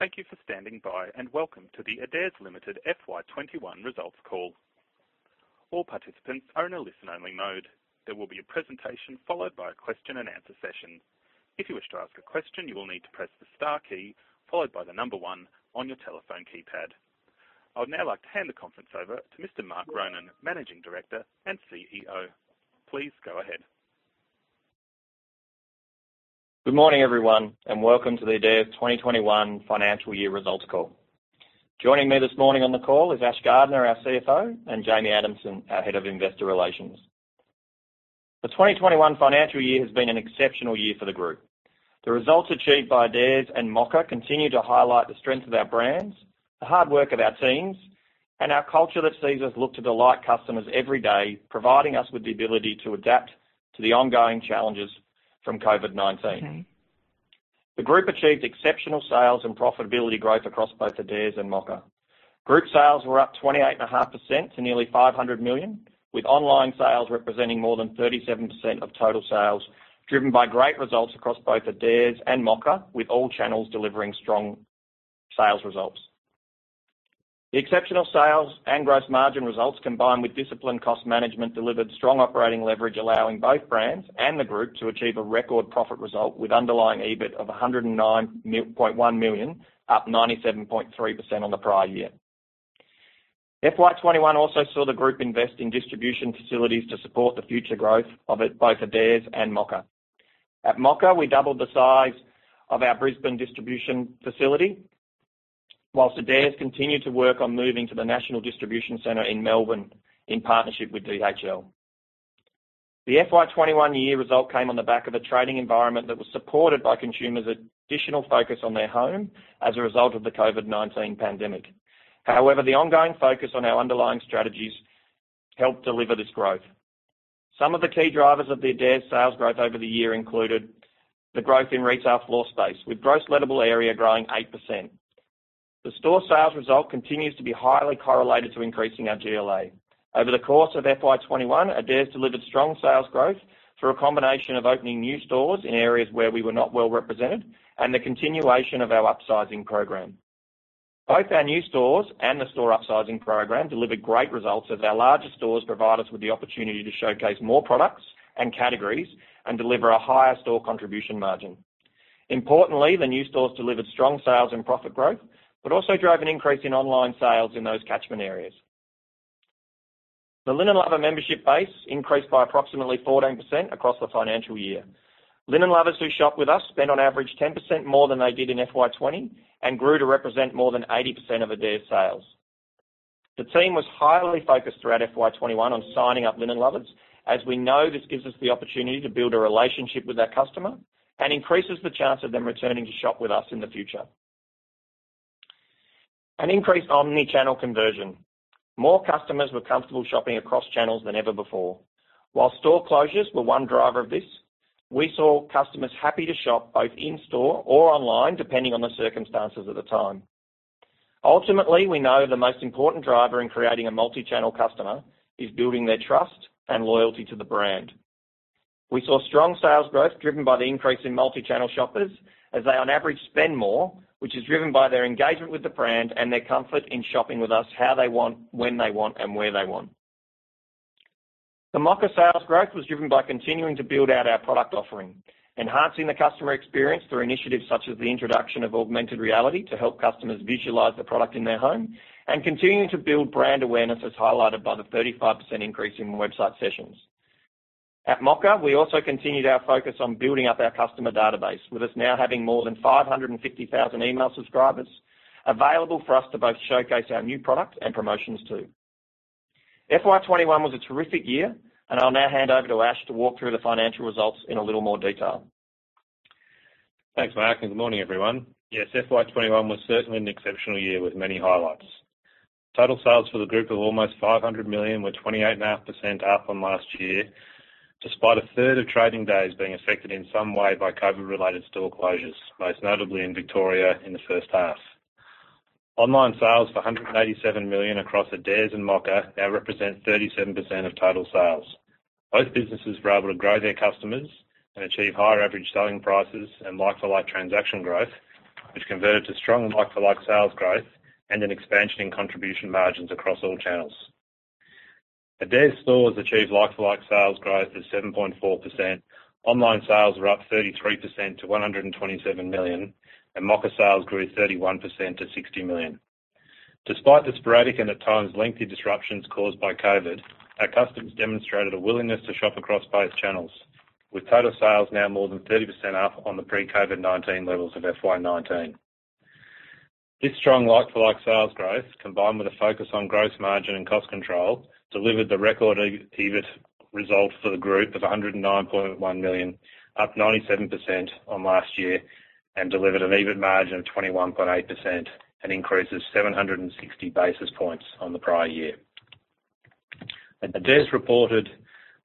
Thank you for standing by, and welcome to the Adairs Limited FY 2021 results call. All participants are in a listen-only mode. There will be a presentation followed by a question and answer session. If you wish to ask a question, you will need to press the star key followed by the number one on your telephone keypad. I would now like to hand the conference over to Mr. Mark Ronan, Managing Director and CEO. Please go ahead. Good morning, everyone, and welcome to the Adairs 2021 financial year results call. Joining me this morning on the call is Ash Gardner, our CFO, and Jamie Adamson, our Head of Investor Relations. The 2021 financial year has been an exceptional year for the group. The results achieved by Adairs and Mocka continue to highlight the strength of our brands, the hard work of our teams, and our culture that sees us look to delight customers every day, providing us with the ability to adapt to the ongoing challenges from COVID-19. The group achieved exceptional sales and profitability growth across both Adairs and Mocka. Group sales were up 28.5% to nearly 500 million, with online sales representing more than 37% of total sales, driven by great results across both Adairs and Mocka, with all channels delivering strong sales results. The exceptional sales and gross margin results, combined with disciplined cost management, delivered strong operating leverage, allowing both brands and the group to achieve a record profit result with underlying EBIT of 109.1 million, up 97.3% on the prior year. FY 2021 also saw the group invest in distribution facilities to support the future growth of both Adairs and Mocka. At Mocka, we doubled the size of our Brisbane distribution facility, whilst Adairs continued to work on moving to the national distribution center in Melbourne in partnership with DHL. The FY 2021 year result came on the back of a trading environment that was supported by consumers' additional focus on their home as a result of the COVID-19 pandemic. However, the ongoing focus on our underlying strategies helped deliver this growth. Some of the key drivers of the Adairs sales growth over the year included the growth in retail floor space, with gross lettable area growing 8%. The store sales result continues to be highly correlated to increasing our GLA. Over the course of FY 2021, Adairs delivered strong sales growth through a combination of opening new stores in areas where we were not well represented and the continuation of our upsizing program. Both our new stores and the store upsizing program delivered great results, as our larger stores provide us with the opportunity to showcase more products and categories and deliver a higher store contribution margin. Importantly, the new stores delivered strong sales and profit growth, but also drove an increase in online sales in those catchment areas. The Linen Lovers membership base increased by approximately 14% across the financial year. Linen Lovers who shop with us spend on average 10% more than they did in FY 2020 and grew to represent more than 80% of Adairs' sales. The team was highly focused throughout FY 2021 on signing up Linen Lovers, as we know this gives us the opportunity to build a relationship with our customer and increases the chance of them returning to shop with us in the future. An increased omnichannel conversion. More customers were comfortable shopping across channels than ever before. While store closures were one driver of this, we saw customers happy to shop both in-store or online, depending on the circumstances at the time. Ultimately, we know the most important driver in creating a multichannel customer is building their trust and loyalty to the brand. We saw strong sales growth driven by the increase in multichannel shoppers as they on average spend more, which is driven by their engagement with the brand and their comfort in shopping with us how they want, when they want, and where they want. The Mocka sales growth was driven by continuing to build out our product offering, enhancing the customer experience through initiatives such as the introduction of augmented reality to help customers visualize the product in their home, and continuing to build brand awareness, as highlighted by the 35% increase in website sessions. At Mocka, we also continued our focus on building up our customer database, with us now having more than 550,000 email subscribers available for us to both showcase our new product and promotions too. FY 2021 was a terrific year, and I'll now hand over to Ash to walk through the financial results in a little more detail. Thanks, Mark. Good morning, everyone. Yes, FY 2021 was certainly an exceptional year with many highlights. Total sales for the group of almost 500 million were 28.5% up from last year, despite a third of trading days being affected in some way by COVID-related store closures, most notably in Victoria in the first half. Online sales of AUD 187 million across Adairs and Mocka now represent 37% of total sales. Both businesses were able to grow their customers and achieve higher average selling prices and like-for-like transaction growth, which converted to strong like-for-like sales growth and an expansion in contribution margins across all channels. Adairs stores achieved like-for-like sales growth of 7.4%. Online sales were up 33% to 127 million. Mocka sales grew 31% to 60 million. Despite the sporadic and at times lengthy disruptions caused by COVID-19, our customers demonstrated a willingness to shop across both channels, with total sales now more than 30% up on the pre-COVID-19 levels of FY 2019. This strong like-for-like sales growth, combined with a focus on gross margin and cost control, delivered the record EBIT result for the group of 109.1 million, up 97% on last year, and delivered an EBIT margin of 21.8% and increases 760 basis points on the prior year. Adairs reported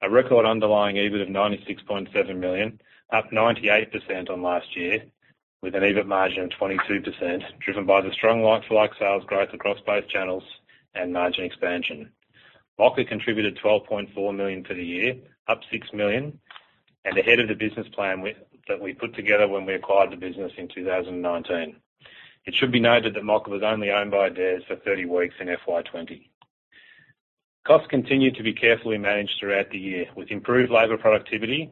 a record underlying EBIT of 96.7 million, up 98% on last year, with an EBIT margin of 22%, driven by the strong like-for-like sales growth across both channels and margin expansion. Mocka contributed 12.4 million for the year, up 6 million, and ahead of the business plan that we put together when we acquired the business in 2019. It should be noted that Mocka was only owned by Adairs for 30 weeks in FY 2020. Costs continued to be carefully managed throughout the year with improved labor productivity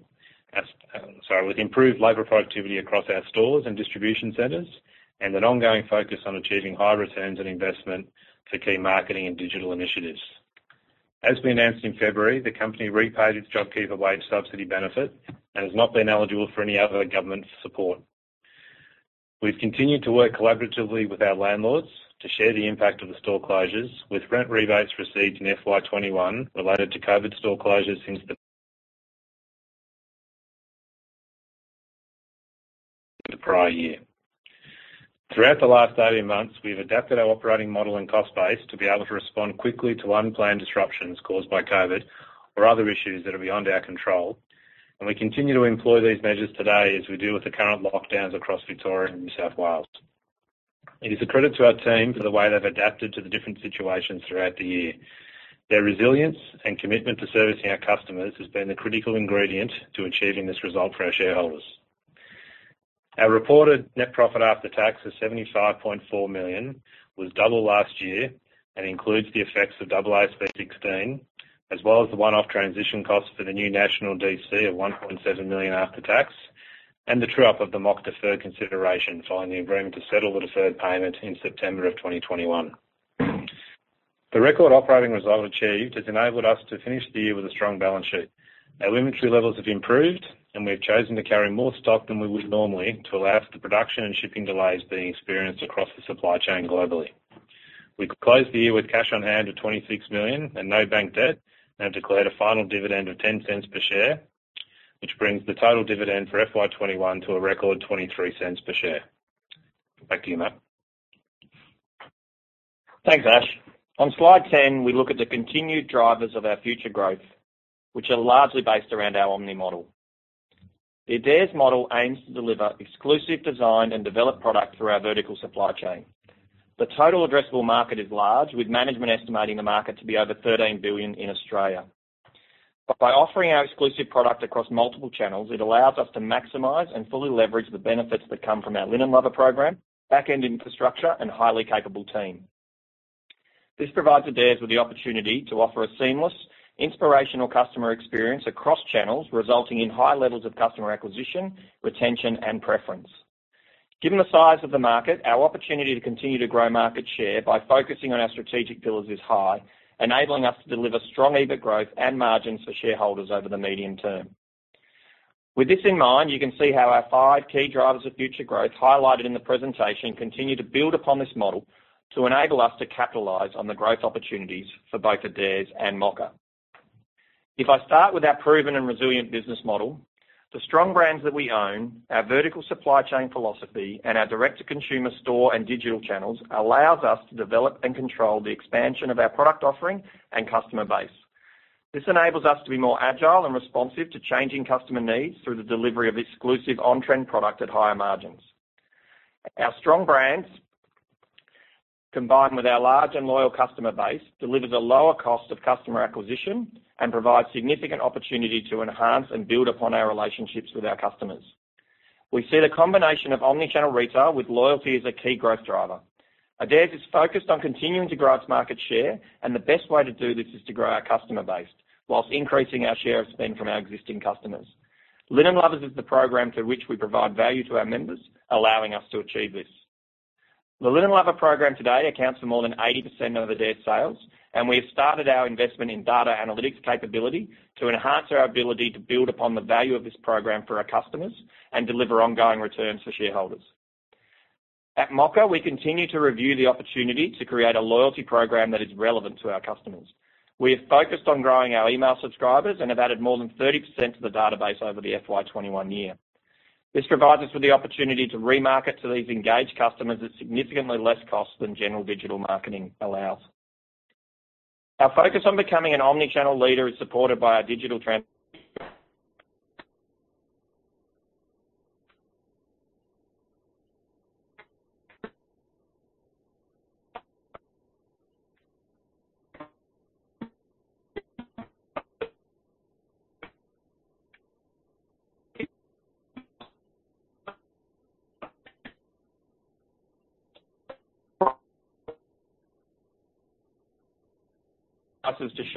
across our stores and distribution centers, and an ongoing focus on achieving high returns on investment for key marketing and digital initiatives. As we announced in February, the company repaid its JobKeeper wage subsidy benefit and has not been eligible for any other government support. We've continued to work collaboratively with our landlords to share the impact of the store closures, with rent rebates received in FY21 related to COVID store closures since the prior year. Throughout the last 18 months, we've adapted our operating model and cost base to be able to respond quickly to unplanned disruptions caused by COVID or other issues that are beyond our control. We continue to employ these measures today as we deal with the current lockdowns across Victoria and New South Wales. It is a credit to our team for the way they've adapted to the different situations throughout the year. Their resilience and commitment to servicing our customers has been the critical ingredient to achieving this result for our shareholders. Our reported net profit after tax of 75.4 million was double last year and includes the effects of AASB 16, as well as the one-off transition cost for the new national DC of 1.7 million after tax, and the true-up of the Mocka deferred consideration, following the agreement to settle the deferred payment in September of 2021. The record operating result achieved has enabled us to finish the year with a strong balance sheet. Our inventory levels have improved, and we've chosen to carry more stock than we would normally to allow for the production and shipping delays being experienced across the supply chain globally. We closed the year with cash on hand of 26 million and no bank debt and declared a final dividend of 0.10 per share, which brings the total dividend for FY 2021 to a record 0.23 per share. Back to you, Mark. Thanks, Ash. On slide 10, we look at the continued drivers of our future growth, which are largely based around our omni model. The Adairs model aims to deliver exclusive designed and developed product through our vertical supply chain. The total addressable market is large, with management estimating the market to be over AUD 13 billion in Australia. By offering our exclusive product across multiple channels, it allows us to maximize and fully leverage the benefits that come from our Linen Lovers program, back-end infrastructure, and highly capable team. This provides Adairs with the opportunity to offer a seamless, inspirational customer experience across channels, resulting in high levels of customer acquisition, retention, and preference. Given the size of the market, our opportunity to continue to grow market share by focusing on our strategic pillars is high, enabling us to deliver strong EBIT growth and margins for shareholders over the medium term. With this in mind, you can see how our five key drivers of future growth highlighted in the presentation continue to build upon this model to enable us to capitalize on the growth opportunities for both Adairs and Mocka. If I start with our proven and resilient business model, the strong brands that we own, our vertical supply chain philosophy, and our direct-to-consumer store and digital channels allows us to develop and control the expansion of our product offering and customer base. This enables us to be more agile and responsive to changing customer needs through the delivery of exclusive on-trend product at higher margins. Our strong brands, combined with our large and loyal customer base, delivers a lower cost of customer acquisition and provides significant opportunity to enhance and build upon our relationships with our customers. We see the combination of omnichannel retail with loyalty as a key growth driver. Adairs is focused on continuing to grow its market share, and the best way to do this is to grow our customer base whilst increasing our share of spend from our existing customers. Linen Lovers is the program through which we provide value to our members, allowing us to achieve this. The Linen Lovers program today accounts for more than 80% of Adairs' sales, and we have started our investment in data analytics capability to enhance our ability to build upon the value of this program for our customers and deliver ongoing returns for shareholders. At Mocka, we continue to review the opportunity to create a loyalty program that is relevant to our customers. We have focused on growing our email subscribers and have added more than 30% to the database over the FY 2021 year. This provides us with the opportunity to remarket to these engaged customers at significantly less cost than general digital marketing allows. Our focus on becoming an omnichannel leader is supported by our digital trans- - us is to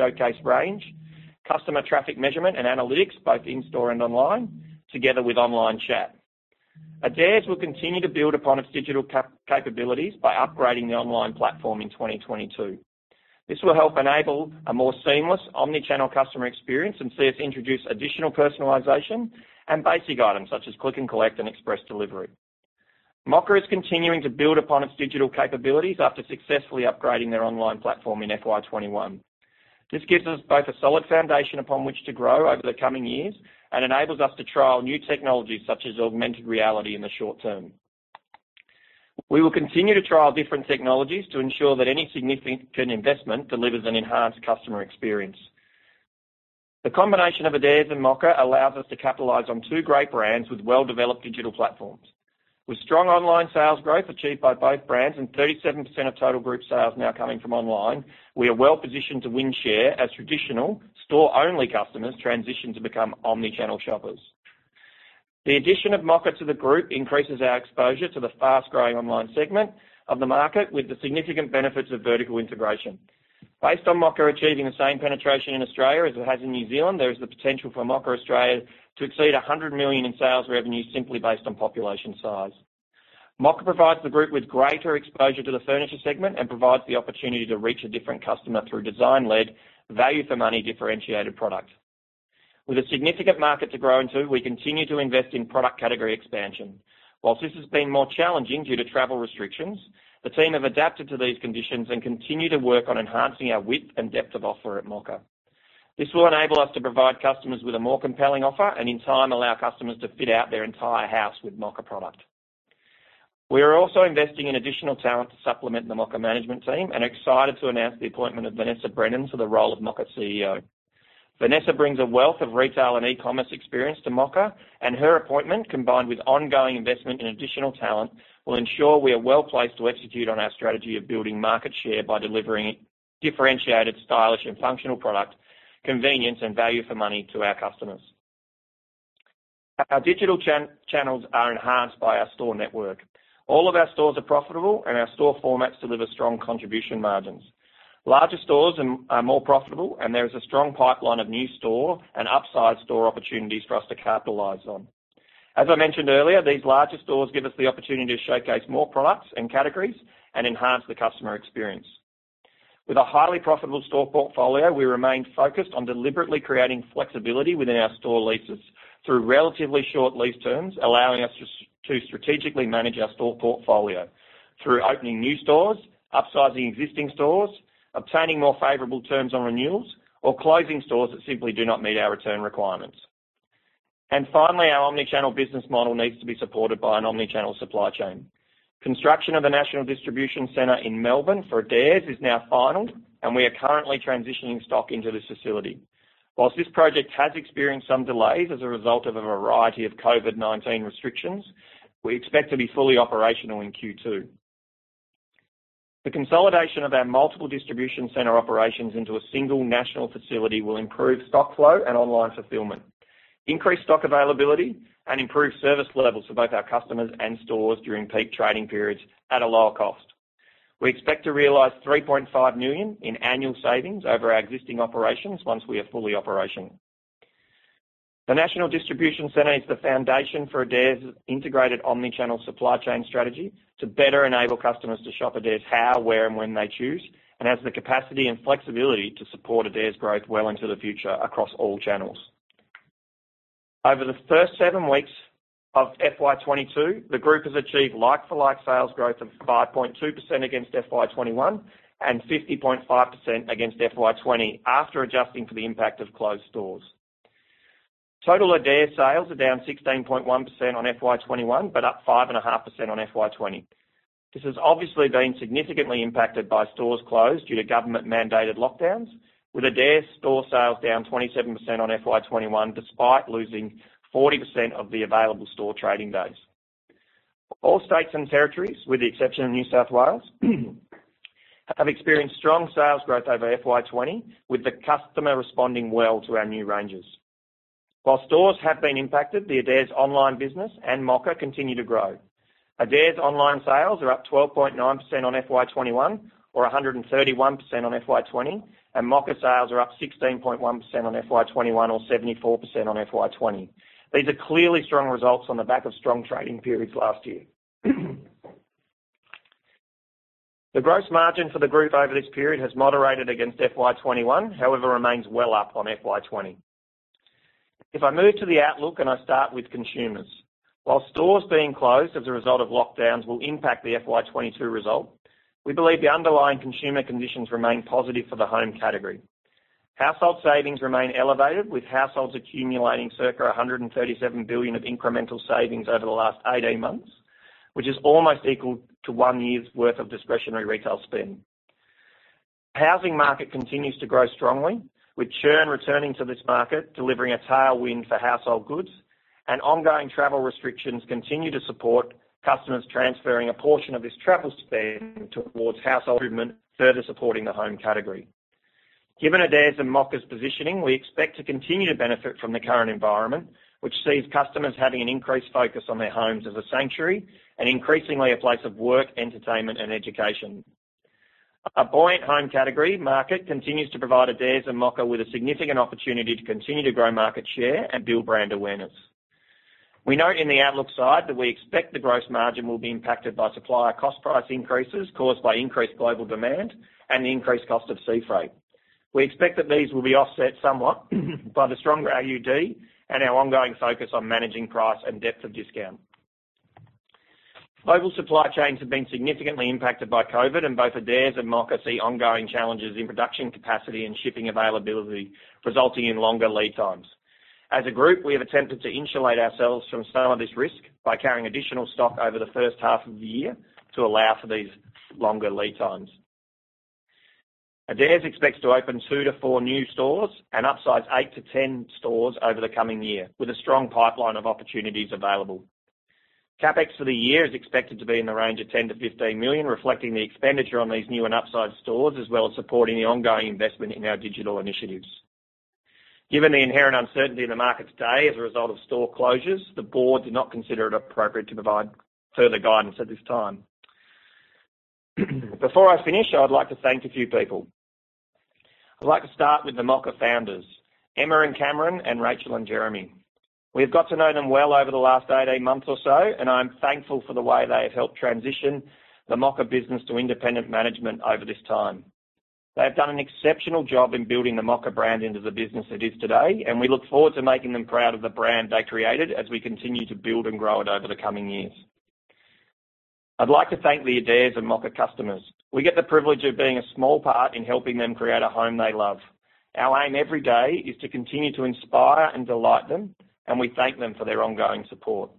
showcase range, customer traffic measurement and analytics, both in-store and online, together with online chat. Adairs will continue to build upon its digital capabilities by upgrading the online platform in 2022. This will help enable a more seamless omnichannel customer experience and see us introduce additional personalization and basic items such as click and collect and express delivery. Mocka is continuing to build upon its digital capabilities after successfully upgrading their online platform in FY 2021. This gives us both a solid foundation upon which to grow over the coming years and enables us to trial new technologies such as augmented reality in the short term. We will continue to trial different technologies to ensure that any significant investment delivers an enhanced customer experience. The combination of Adairs and Mocka allows us to capitalize on two great brands with well-developed digital platforms. With strong online sales growth achieved by both brands and 37% of total group sales now coming from online, we are well-positioned to win share as traditional store-only customers transition to become omnichannel shoppers. The addition of Mocka to the group increases our exposure to the fast-growing online segment of the market, with the significant benefits of vertical integration. Based on Mocka achieving the same penetration in Australia as it has in New Zealand, there is the potential for Mocka Australia to exceed 100 million in sales revenue simply based on population size. Mocka provides the group with greater exposure to the furniture segment and provides the opportunity to reach a different customer through design-led value for money differentiated product. With a significant market to grow into, we continue to invest in product category expansion. Whilst this has been more challenging due to travel restrictions, the team have adapted to these conditions and continue to work on enhancing our width and depth of offer at Mocka. This will enable us to provide customers with a more compelling offer, and in time, allow customers to fit out their entire house with Mocka product. We are also investing in additional talent to supplement the Mocka management team and are excited to announce the appointment of Vanessa Brennan to the role of Mocka CEO. Vanessa brings a wealth of retail and e-commerce experience to Mocka, and her appointment, combined with ongoing investment in additional talent, will ensure we are well-placed to execute on our strategy of building market share by delivering differentiated, stylish, and functional product, convenience, and value for money to our customers. Our digital channels are enhanced by our store network. All of our stores are profitable, and our store formats deliver strong contribution margins. Larger stores are more profitable, and there is a strong pipeline of new store and upsize store opportunities for us to capitalize on. As I mentioned earlier, these larger stores give us the opportunity to showcase more products and categories and enhance the customer experience. With a highly profitable store portfolio, we remain focused on deliberately creating flexibility within our store leases through relatively short lease terms, allowing us to strategically manage our store portfolio through opening new stores, upsizing existing stores, obtaining more favorable terms on renewals, or closing stores that simply do not meet our return requirements. Finally, our omnichannel business model needs to be supported by an omnichannel supply chain. Construction of the national distribution center in Melbourne for Adairs is now final, and we are currently transitioning stock into this facility. Whilst this project has experienced some delays as a result of a variety of COVID-19 restrictions, we expect to be fully operational in Q2. The consolidation of our multiple distribution center operations into a single national facility will improve stock flow and online fulfillment, increase stock availability, and improve service levels for both our customers and stores during peak trading periods at a lower cost. We expect to realize 3.5 million in annual savings over our existing operations once we are fully operational. The National Distribution Center is the foundation for Adairs' integrated omnichannel supply chain strategy to better enable customers to shop Adairs how, where, and when they choose, and has the capacity and flexibility to support Adairs' growth well into the future across all channels. Over the first seven weeks of FY 2022, the group has achieved like-for-like sales growth of 5.2% against FY 2021 and 50.5% against FY 2020 after adjusting for the impact of closed stores. Total Adairs sales are down 16.1% on FY 2021, but up 5.5% on FY 2020. This has obviously been significantly impacted by stores closed due to government-mandated lockdowns, with Adairs store sales down 27% on FY 2021, despite losing 40% of the available store trading days. All states and territories, with the exception of New South Wales, have experienced strong sales growth over FY 2020, with the customer responding well to our new ranges. While stores have been impacted, the Adairs online business and Mocka continue to grow. Adairs online sales are up 12.9% on FY 2021 or 131% on FY 2020, and Mocka sales are up 16.1% on FY 2021 or 74% on FY 2020. These are clearly strong results on the back of strong trading periods last year. The gross margin for the group over this period has moderated against FY 2021, however, remains well up on FY 2020. If I move to the outlook, and I start with consumers. While stores being closed as a result of lockdowns will impact the FY 2022 result, we believe the underlying consumer conditions remain positive for the home category. Household savings remain elevated, with households accumulating circa 137 billion of incremental savings over the last 18 months, which is almost equal to one year's worth of discretionary retail spend. Housing market continues to grow strongly, with churn returning to this market, delivering a tailwind for household goods, ongoing travel restrictions continue to support customers transferring a portion of this travel spend towards household improvement, further supporting the home category. Given Adairs' and Mocka's positioning, we expect to continue to benefit from the current environment, which sees customers having an increased focus on their homes as a sanctuary and increasingly a place of work, entertainment, and education. A buoyant home category market continues to provide Adairs and Mocka with a significant opportunity to continue to grow market share and build brand awareness. We note in the outlook side that we expect the gross margin will be impacted by supplier cost price increases caused by increased global demand and the increased cost of sea freight. We expect that these will be offset somewhat by the stronger AUD and our ongoing focus on managing price and depth of discount. Global supply chains have been significantly impacted by COVID, and both Adairs and Mocka see ongoing challenges in production capacity and shipping availability, resulting in longer lead times. As a group, we have attempted to insulate ourselves from some of this risk by carrying additional stock over the first half of the year to allow for these longer lead times. Adairs expects to open two to four new stores and upsize 8-10 stores over the coming year, with a strong pipeline of opportunities available. CapEx for the year is expected to be in the range of 10 million-15 million, reflecting the expenditure on these new and upside stores, as well as supporting the ongoing investment in our digital initiatives. Given the inherent uncertainty in the market today as a result of store closures, the board did not consider it appropriate to provide further guidance at this time. Before I finish, I would like to thank a few people. I'd like to start with the Mocka founders, Emma and Cameron, and Rachel and Jeremy. We have got to know them well over the last 18 months or so, and I'm thankful for the way they have helped transition the Mocka business to independent management over this time. They have done an exceptional job in building the Mocka brand into the business it is today, and we look forward to making them proud of the brand they created as we continue to build and grow it over the coming years. I'd like to thank the Adairs and Mocka customers. We get the privilege of being a small part in helping them create a home they love. Our aim every day is to continue to inspire and delight them, and we thank them for their ongoing support.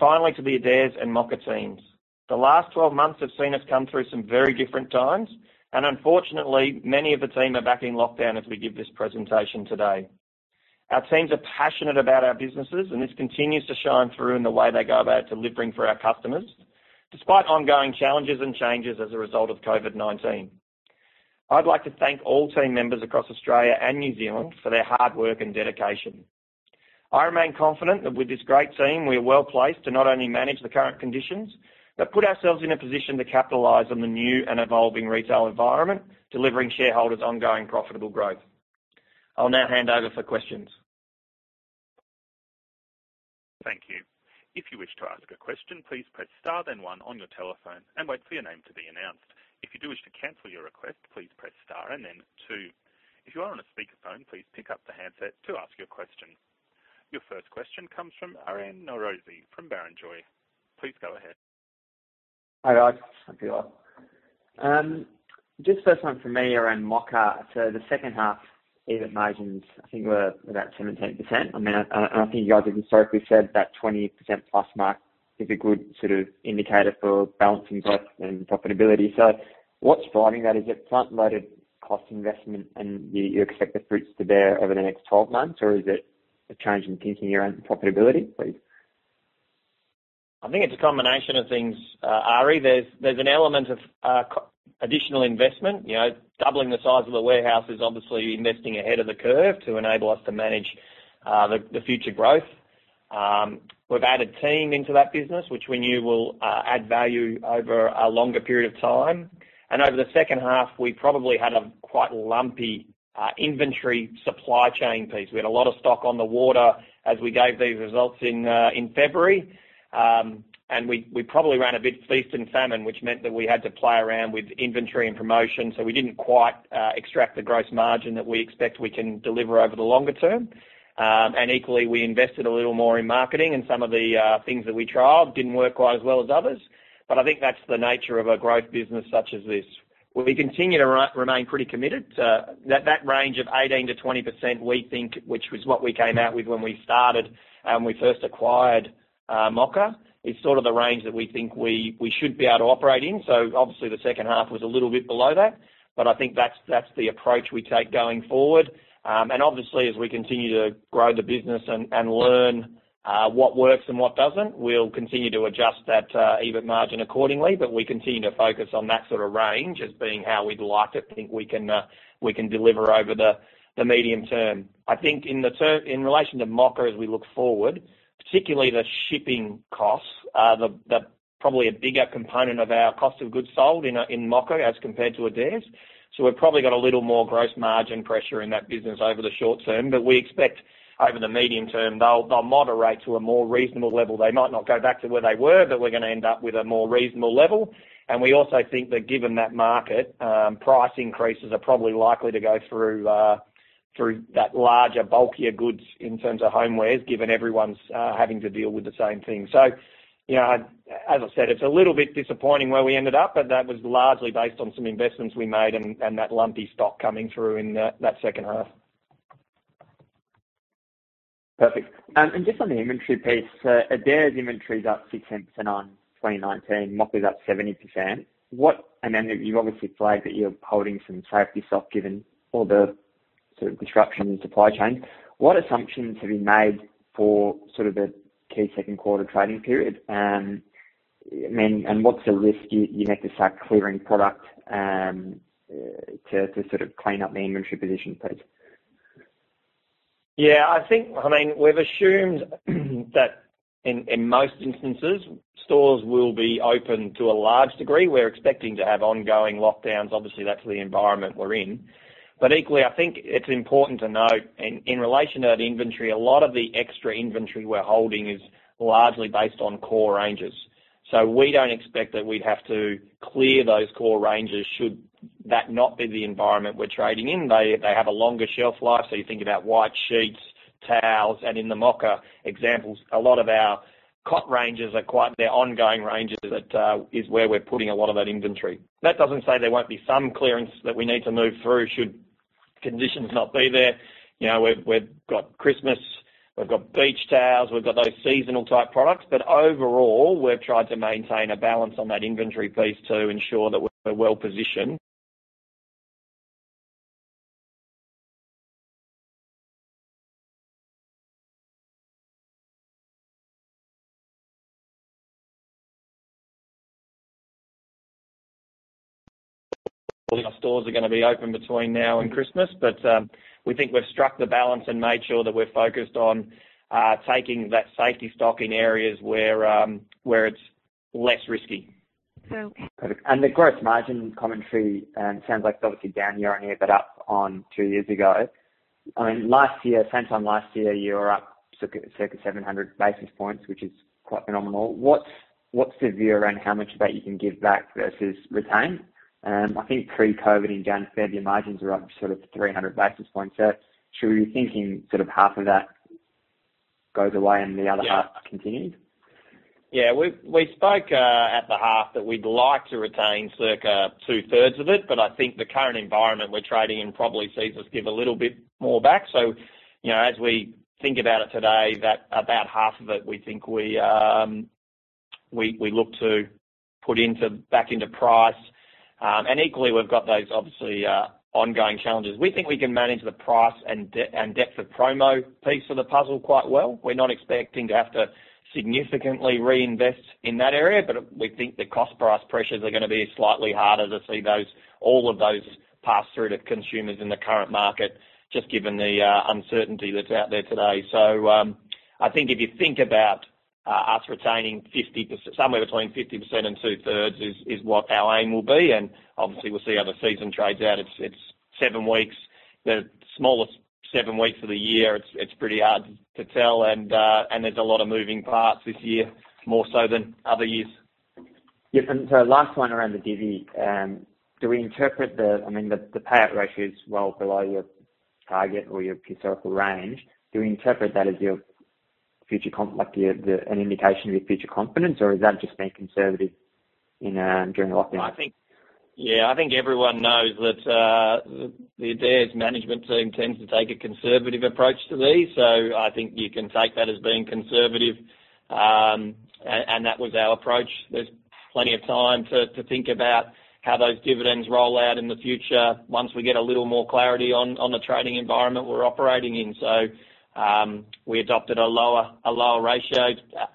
Finally, to the Adairs and Mocka teams. The last 12 months have seen us come through some very different times, and unfortunately, many of the team are back in lockdown as we give this presentation today. Our teams are passionate about our businesses, and this continues to shine through in the way they go about delivering for our customers, despite ongoing challenges and changes as a result of COVID-19. I'd like to thank all team members across Australia and New Zealand for their hard work and dedication. I remain confident that with this great team, we are well-placed to not only manage the current conditions, but put ourselves in a position to capitalize on the new and evolving retail environment, delivering shareholders ongoing profitable growth. I'll now hand over for questions. Thank you. If you wish to ask a question please press star then one on your telephone and wait for your name to be announced. If you do wish to cancel your request please press star then two. If you are on a speaker please pick up the handset to ask a question. Your first question comes from Aryan Norozi from Barrenjoey. Please go ahead. Hi, guys. Just first one for me around Mocka. The second half EBIT margins, I think, were about 17%. I think you guys have historically said that 20% plus mark is a good indicator for balancing growth and profitability. What's driving that? Is it front-loaded cost investment, and you expect the fruits to bear over the next 12 months? Or is it a change in thinking around profitability, please? I think it's a combination of things, Ary. There's an element of additional investment. Doubling the size of a warehouse is obviously investing ahead of the curve to enable us to manage the future growth. We've added team into that business, which we knew will add value over a longer period of time. Over the second half, we probably had a quite lumpy inventory supply chain piece. We had a lot of stock on the water as we gave these results in February. We probably ran a bit feast and famine, which meant that we had to play around with inventory and promotion, so we didn't quite extract the gross margin that we expect we can deliver over the longer term. Equally, we invested a little more in marketing and some of the things that we trialed didn't work quite as well as others. I think that's the nature of a growth business such as this. We continue to remain pretty committed to that range of 18%-20%, we think, which was what we came out with when we started and we first acquired Mocka. It's sort of the range that we think we should be able to operate in. Obviously, the second half was a little bit below that, but I think that's the approach we take going forward. Obviously, as we continue to grow the business and learn what works and what doesn't, we'll continue to adjust that EBIT margin accordingly. We continue to focus on that sort of range as being how we'd like to think we can deliver over the medium term. I think in relation to Mocka as we look forward, particularly the shipping costs are probably a bigger component of our cost of goods sold in Mocka as compared to Adairs. We've probably got a little more gross margin pressure in that business over the short term, but we expect over the medium term, they'll moderate to a more reasonable level. They might not go back to where they were, but we're going to end up with a more reasonable level. We also think that given that market, price increases are probably likely to go through that larger, bulkier goods in terms of homewares, given everyone's having to deal with the same thing. As I said, it's a little bit disappointing where we ended up, but that was largely based on some investments we made and that lumpy stock coming through in that second half. Perfect. Just on the inventory piece, Adairs inventory is up 16% on 2019, Mocka's up 17%. You've obviously flagged that you're holding some safety stock given all the sort of disruption in supply chain. What assumptions have you made for sort of the key second quarter trading period? What's the risk you have to start clearing product to sort of clean up the inventory position, please? Yeah. We've assumed that in most instances, stores will be open to a large degree. We're expecting to have ongoing lockdowns. Obviously, that's the environment we're in. Equally, I think it's important to note in relation to that inventory, a lot of the extra inventory we're holding is largely based on core ranges. We don't expect that we'd have to clear those core ranges should that not be the environment we're trading in. They have a longer shelf life. You think about white sheets, towels, and in the Mocka examples, a lot of our cot ranges are quite their ongoing ranges. That is where we're putting a lot of that inventory. That doesn't say there won't be some clearance that we need to move through should conditions not be there. We've got Christmas, we've got beach towels, we've got those seasonal type products. Overall, we've tried to maintain a balance on that inventory piece to ensure that we're well-positioned. Our stores are going to be open between now and Christmas, but we think we've struck the balance and made sure that we're focused on taking that safety stock in areas where it's less risky. Perfect. The gross margin commentary sounds like it's obviously down year-on-year, but up on two years ago. Last year, same time last year, you were up circa 700 basis points, which is quite phenomenal. What's the view around how much of that you can give back versus retain? I think pre-COVID, in January, margins were up sort of 300 basis points. Should we be thinking sort of half of that goes away? Yeah half continues? Yeah. We spoke at the half that we'd like to retain circa two-thirds of it, but I think the current environment we're trading in probably sees us give a little bit more back. As we think about it today, about half of it, we think we look to put back into price. Equally, we've got those obviously ongoing challenges. We think we can manage the price and depth of promo piece of the puzzle quite well. We're not expecting to have to significantly reinvest in that area, but we think the cost-price pressures are going to be slightly harder to see all of those pass through to consumers in the current market, just given the uncertainty that's out there today. I think if you think about us retaining somewhere between 50% and two-thirds is what our aim will be. Obviously, we'll see how the season trades out. It's seven weeks, the smallest seven weeks of the year. It's pretty hard to tell. There's a lot of moving parts this year, more so than other years. Yeah. Last one around the divvy. I mean, the payout ratio is well below your target or your historical range. Do we interpret that as an indication of your future confidence, or is that just being conservative in general? I think everyone knows that the Adairs management team tends to take a conservative approach to these. I think you can take that as being conservative, and that was our approach. There's plenty of time to think about how those dividends roll out in the future once we get a little more clarity on the trading environment we're operating in. We adopted a lower ratio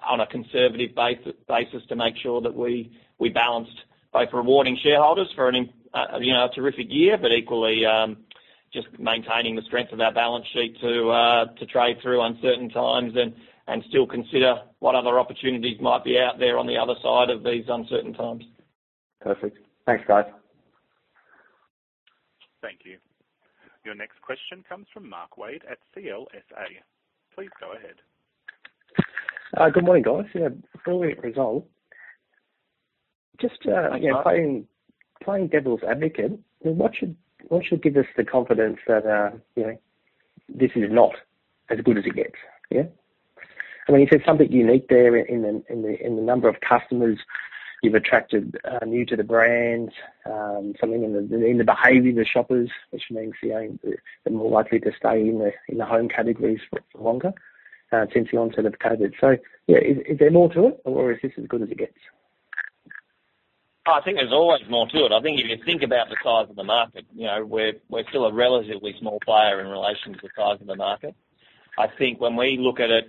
on a conservative basis to make sure that we balanced both rewarding shareholders for a terrific year, but equally just maintaining the strength of our balance sheet to trade through uncertain times and still consider what other opportunities might be out there on the other side of these uncertain times. Perfect. Thanks, guys. Thank you. Your next question comes from Mark Wade at CLSA. Please go ahead. Good morning, guys. Yeah, brilliant result. Hi, Mark. Playing devil's advocate, what should give us the confidence that this is not as good as it gets? You said something unique there in the number of customers you've attracted new to the brand, something in the behavior of the shoppers, which means they're more likely to stay in the home categories for longer since the onset of COVID. Is there more to it or is this as good as it gets? I think there's always more to it. I think if you think about the size of the market, we're still a relatively small player in relation to the size of the market. I think when we look at it,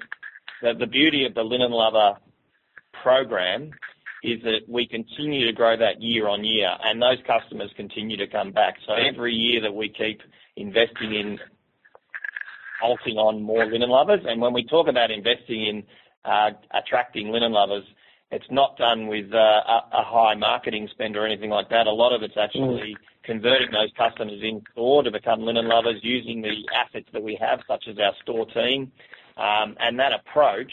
the beauty of the Linen Lover program is that we continue to grow that year-on-year, and those customers continue to come back. Every year that we keep investing in ulting on more Linen Lovers. When we talk about investing in attracting Linen Lovers, it's not done with a high marketing spend or anything like that. A lot of it's actually converting those customers in-store to become Linen Lovers using the assets that we have, such as our store team. That approach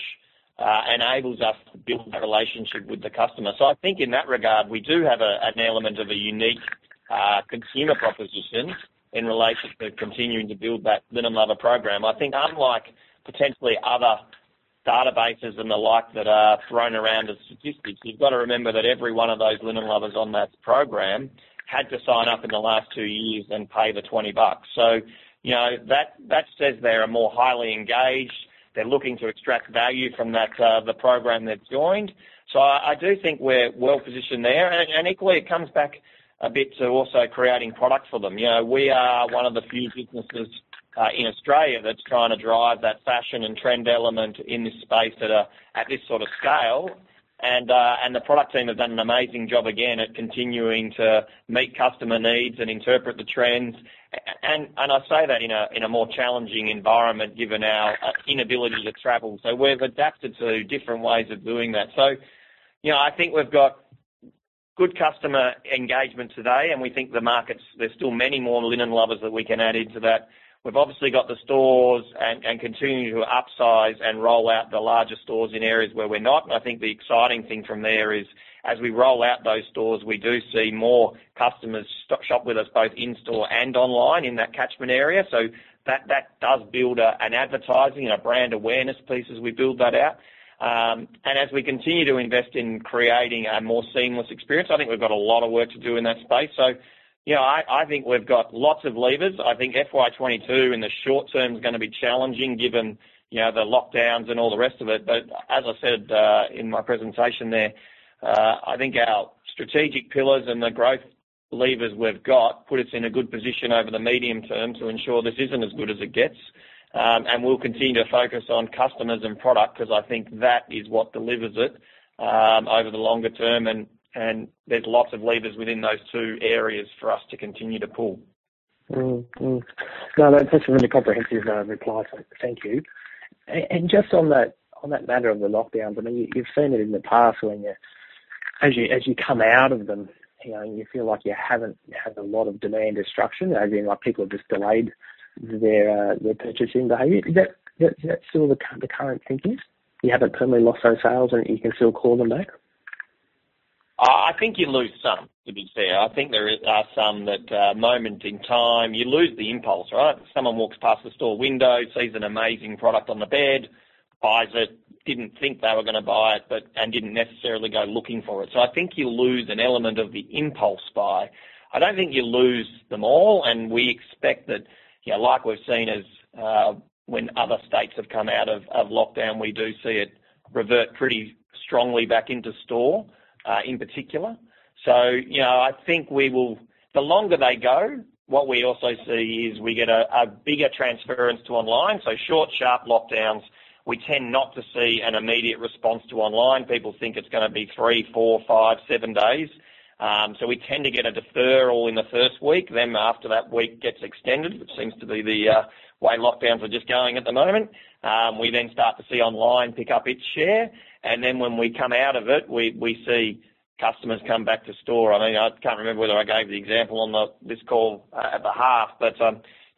enables us to build that relationship with the customer. I think in that regard, we do have an element of a unique consumer proposition in relation to continuing to build that Linen Lover program. I think unlike potentially other databases and the like that are thrown around as statistics, you've got to remember that every one of those Linen Lovers on that program had to sign up in the last two years and pay the 20 bucks. That says they're more highly engaged. They're looking to extract value from the program they've joined. I do think we're well-positioned there. Equally, it comes back a bit to also creating product for them. We are one of the few businesses in Australia that's trying to drive that fashion and trend element in this space at this sort of scale. The product team have done an amazing job again at continuing to meet customer needs and interpret the trends. I say that in a more challenging environment given our inability to travel. We've adapted to different ways of doing that. I think we've got good customer engagement today, and we think the markets, there's still many more Linen Lovers that we can add into that. We've obviously got the stores and continuing to upsize and roll out the larger stores in areas where we're not. I think the exciting thing from there is, as we roll out those stores, we do see more customers shop with us, both in-store and online in that catchment area. That does build an advertising and a brand awareness piece as we build that out. As we continue to invest in creating a more seamless experience, I think we've got a lot of work to do in that space. I think we've got lots of levers. I think FY 2022 in the short term is going to be challenging given the lockdowns and all the rest of it. As I said in my presentation there, I think our strategic pillars and the growth levers we've got, put us in a good position over the medium term to ensure this isn't as good as it gets. We'll continue to focus on customers and product, because I think that is what delivers it over the longer term. There's lots of levers within those two areas for us to continue to pull. That's a really comprehensive reply. Thank you. Just on that matter of the lockdowns, you've seen it in the past as you come out of them, and you feel like you haven't had a lot of demand destruction, as in, like people have just delayed their purchasing behavior. Is that still the current thinking? You haven't permanently lost those sales, and you can still call them back? I think you lose some, to be fair. I think there are some that moment in time, you lose the impulse, right? Someone walks past the store window, sees an amazing product on the bed, buys it, didn't think they were going to buy it and didn't necessarily go looking for it. I think you lose an element of the impulse buy. I don't think you lose them all, and we expect that like we've seen as when other states have come out of lockdown, we do see it revert pretty strongly back into store, in particular. I think we will the longer they go, what we also see is we get a bigger transference to online. Short, sharp lockdowns, we tend not to see an immediate response to online. People think it's going to be three, four, five, seven days. We tend to get a deferral in the first week. After that week gets extended, which seems to be the way lockdowns are just going at the moment, we then start to see online pick up its share. When we come out of it, we see customers come back to store. I mean, I can't remember whether I gave the example on this call at the half, but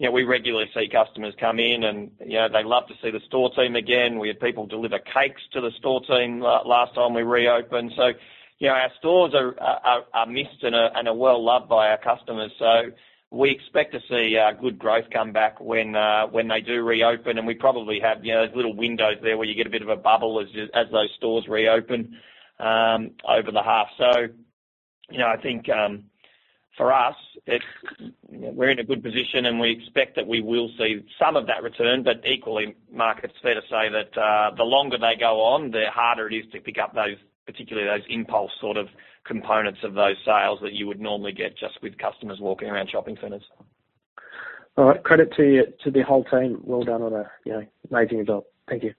we regularly see customers come in and they love to see the store team again. We had people deliver cakes to the store team, last time we reopened. Our stores are missed and are well-loved by our customers. We expect to see good growth come back when they do reopen, and we probably have those little windows there where you get a bit of a bubble as those stores reopen over the half. I think for us, we're in a good position, and we expect that we will see some of that return, but equally, Mark, it's fair to say that, the longer they go on, the harder it is to pick up those, particularly those impulse sort of components of those sales that you would normally get just with customers walking around shopping centers. All right. Credit to the whole team. Well done on a amazing job. Thank you.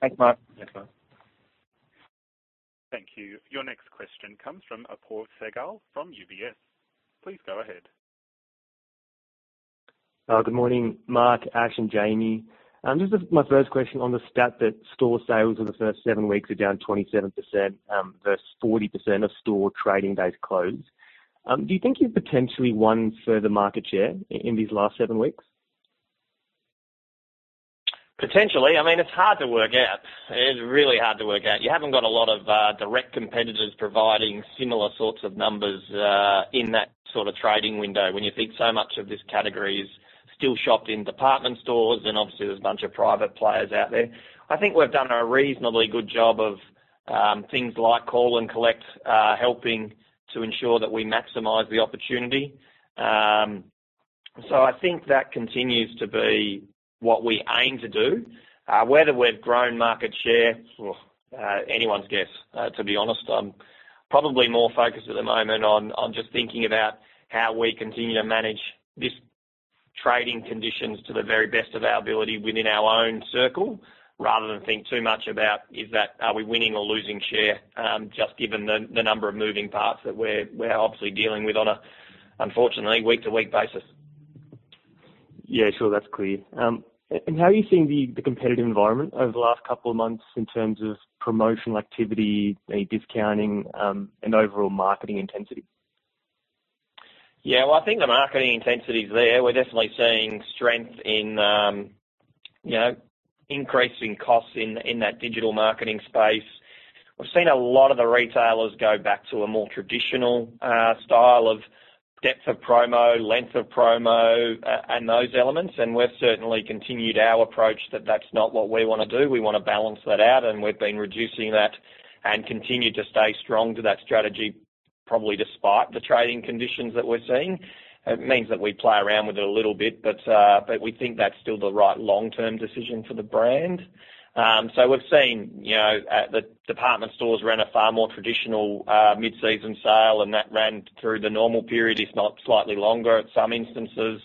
Thanks, Mark. Thanks, Mark. Thank you. Your next question comes from Apoorv Sehgal from UBS. Please go ahead. Good morning, Mark, Ash, and Jamie. My first question on the stat that store sales in the first seven weeks are down 27%, versus 40% of store trading days closed. Do you think you've potentially won further market share in these last seven weeks? Potentially. It's hard to work out. It's really hard to work out. You haven't got a lot of direct competitors providing similar sorts of numbers in that sort of trading window, when you think so much of this category is still shopped in department stores and obviously there's a bunch of private players out there. I think we've done a reasonably good job of things like call and collect, helping to ensure that we maximize the opportunity. I think that continues to be what we aim to do. Whether we've grown market share, anyone's guess, to be honest. I'm probably more focused at the moment on just thinking about how we continue to manage this trading conditions to the very best of our ability within our own circle, rather than think too much about, is that are we winning or losing share, just given the number of moving parts that we're obviously dealing with on a, unfortunately, week-to-week basis. Yeah, sure. That's clear. How are you seeing the competitive environment over the last couple of months in terms of promotional activity, any discounting, and overall marketing intensity? Yeah. Well, I think the marketing intensity's there. We're definitely seeing strength in increasing costs in that digital marketing space. We've seen a lot of the retailers go back to a more traditional style of depth of promo, length of promo, and those elements. We've certainly continued our approach that that's not what we want to do. We want to balance that out. We've been reducing that and continue to stay strong to that strategy, probably despite the trading conditions that we're seeing. It means that we play around with it a little bit. We think that's still the right long-term decision for the brand. We've seen the department stores ran a far more traditional mid-season sale. That ran through the normal period, if not slightly longer at some instances.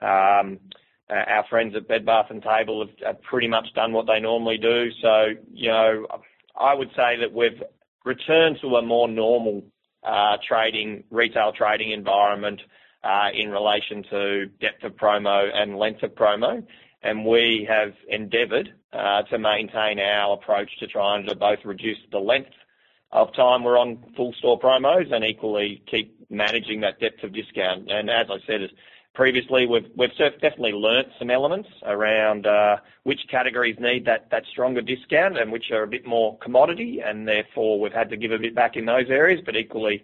Our friends at Bed Bath N' Table have pretty much done what they normally do. I would say that we've returned to a more normal trading, retail trading environment, in relation to depth of promo and length of promo. We have endeavored to maintain our approach to try and both reduce the length of time we're on full store promos and equally keep managing that depth of discount. As I said previously, we've definitely learned some elements around which categories need that stronger discount and which are a bit more commodity, and therefore, we've had to give a bit back in those areas, but equally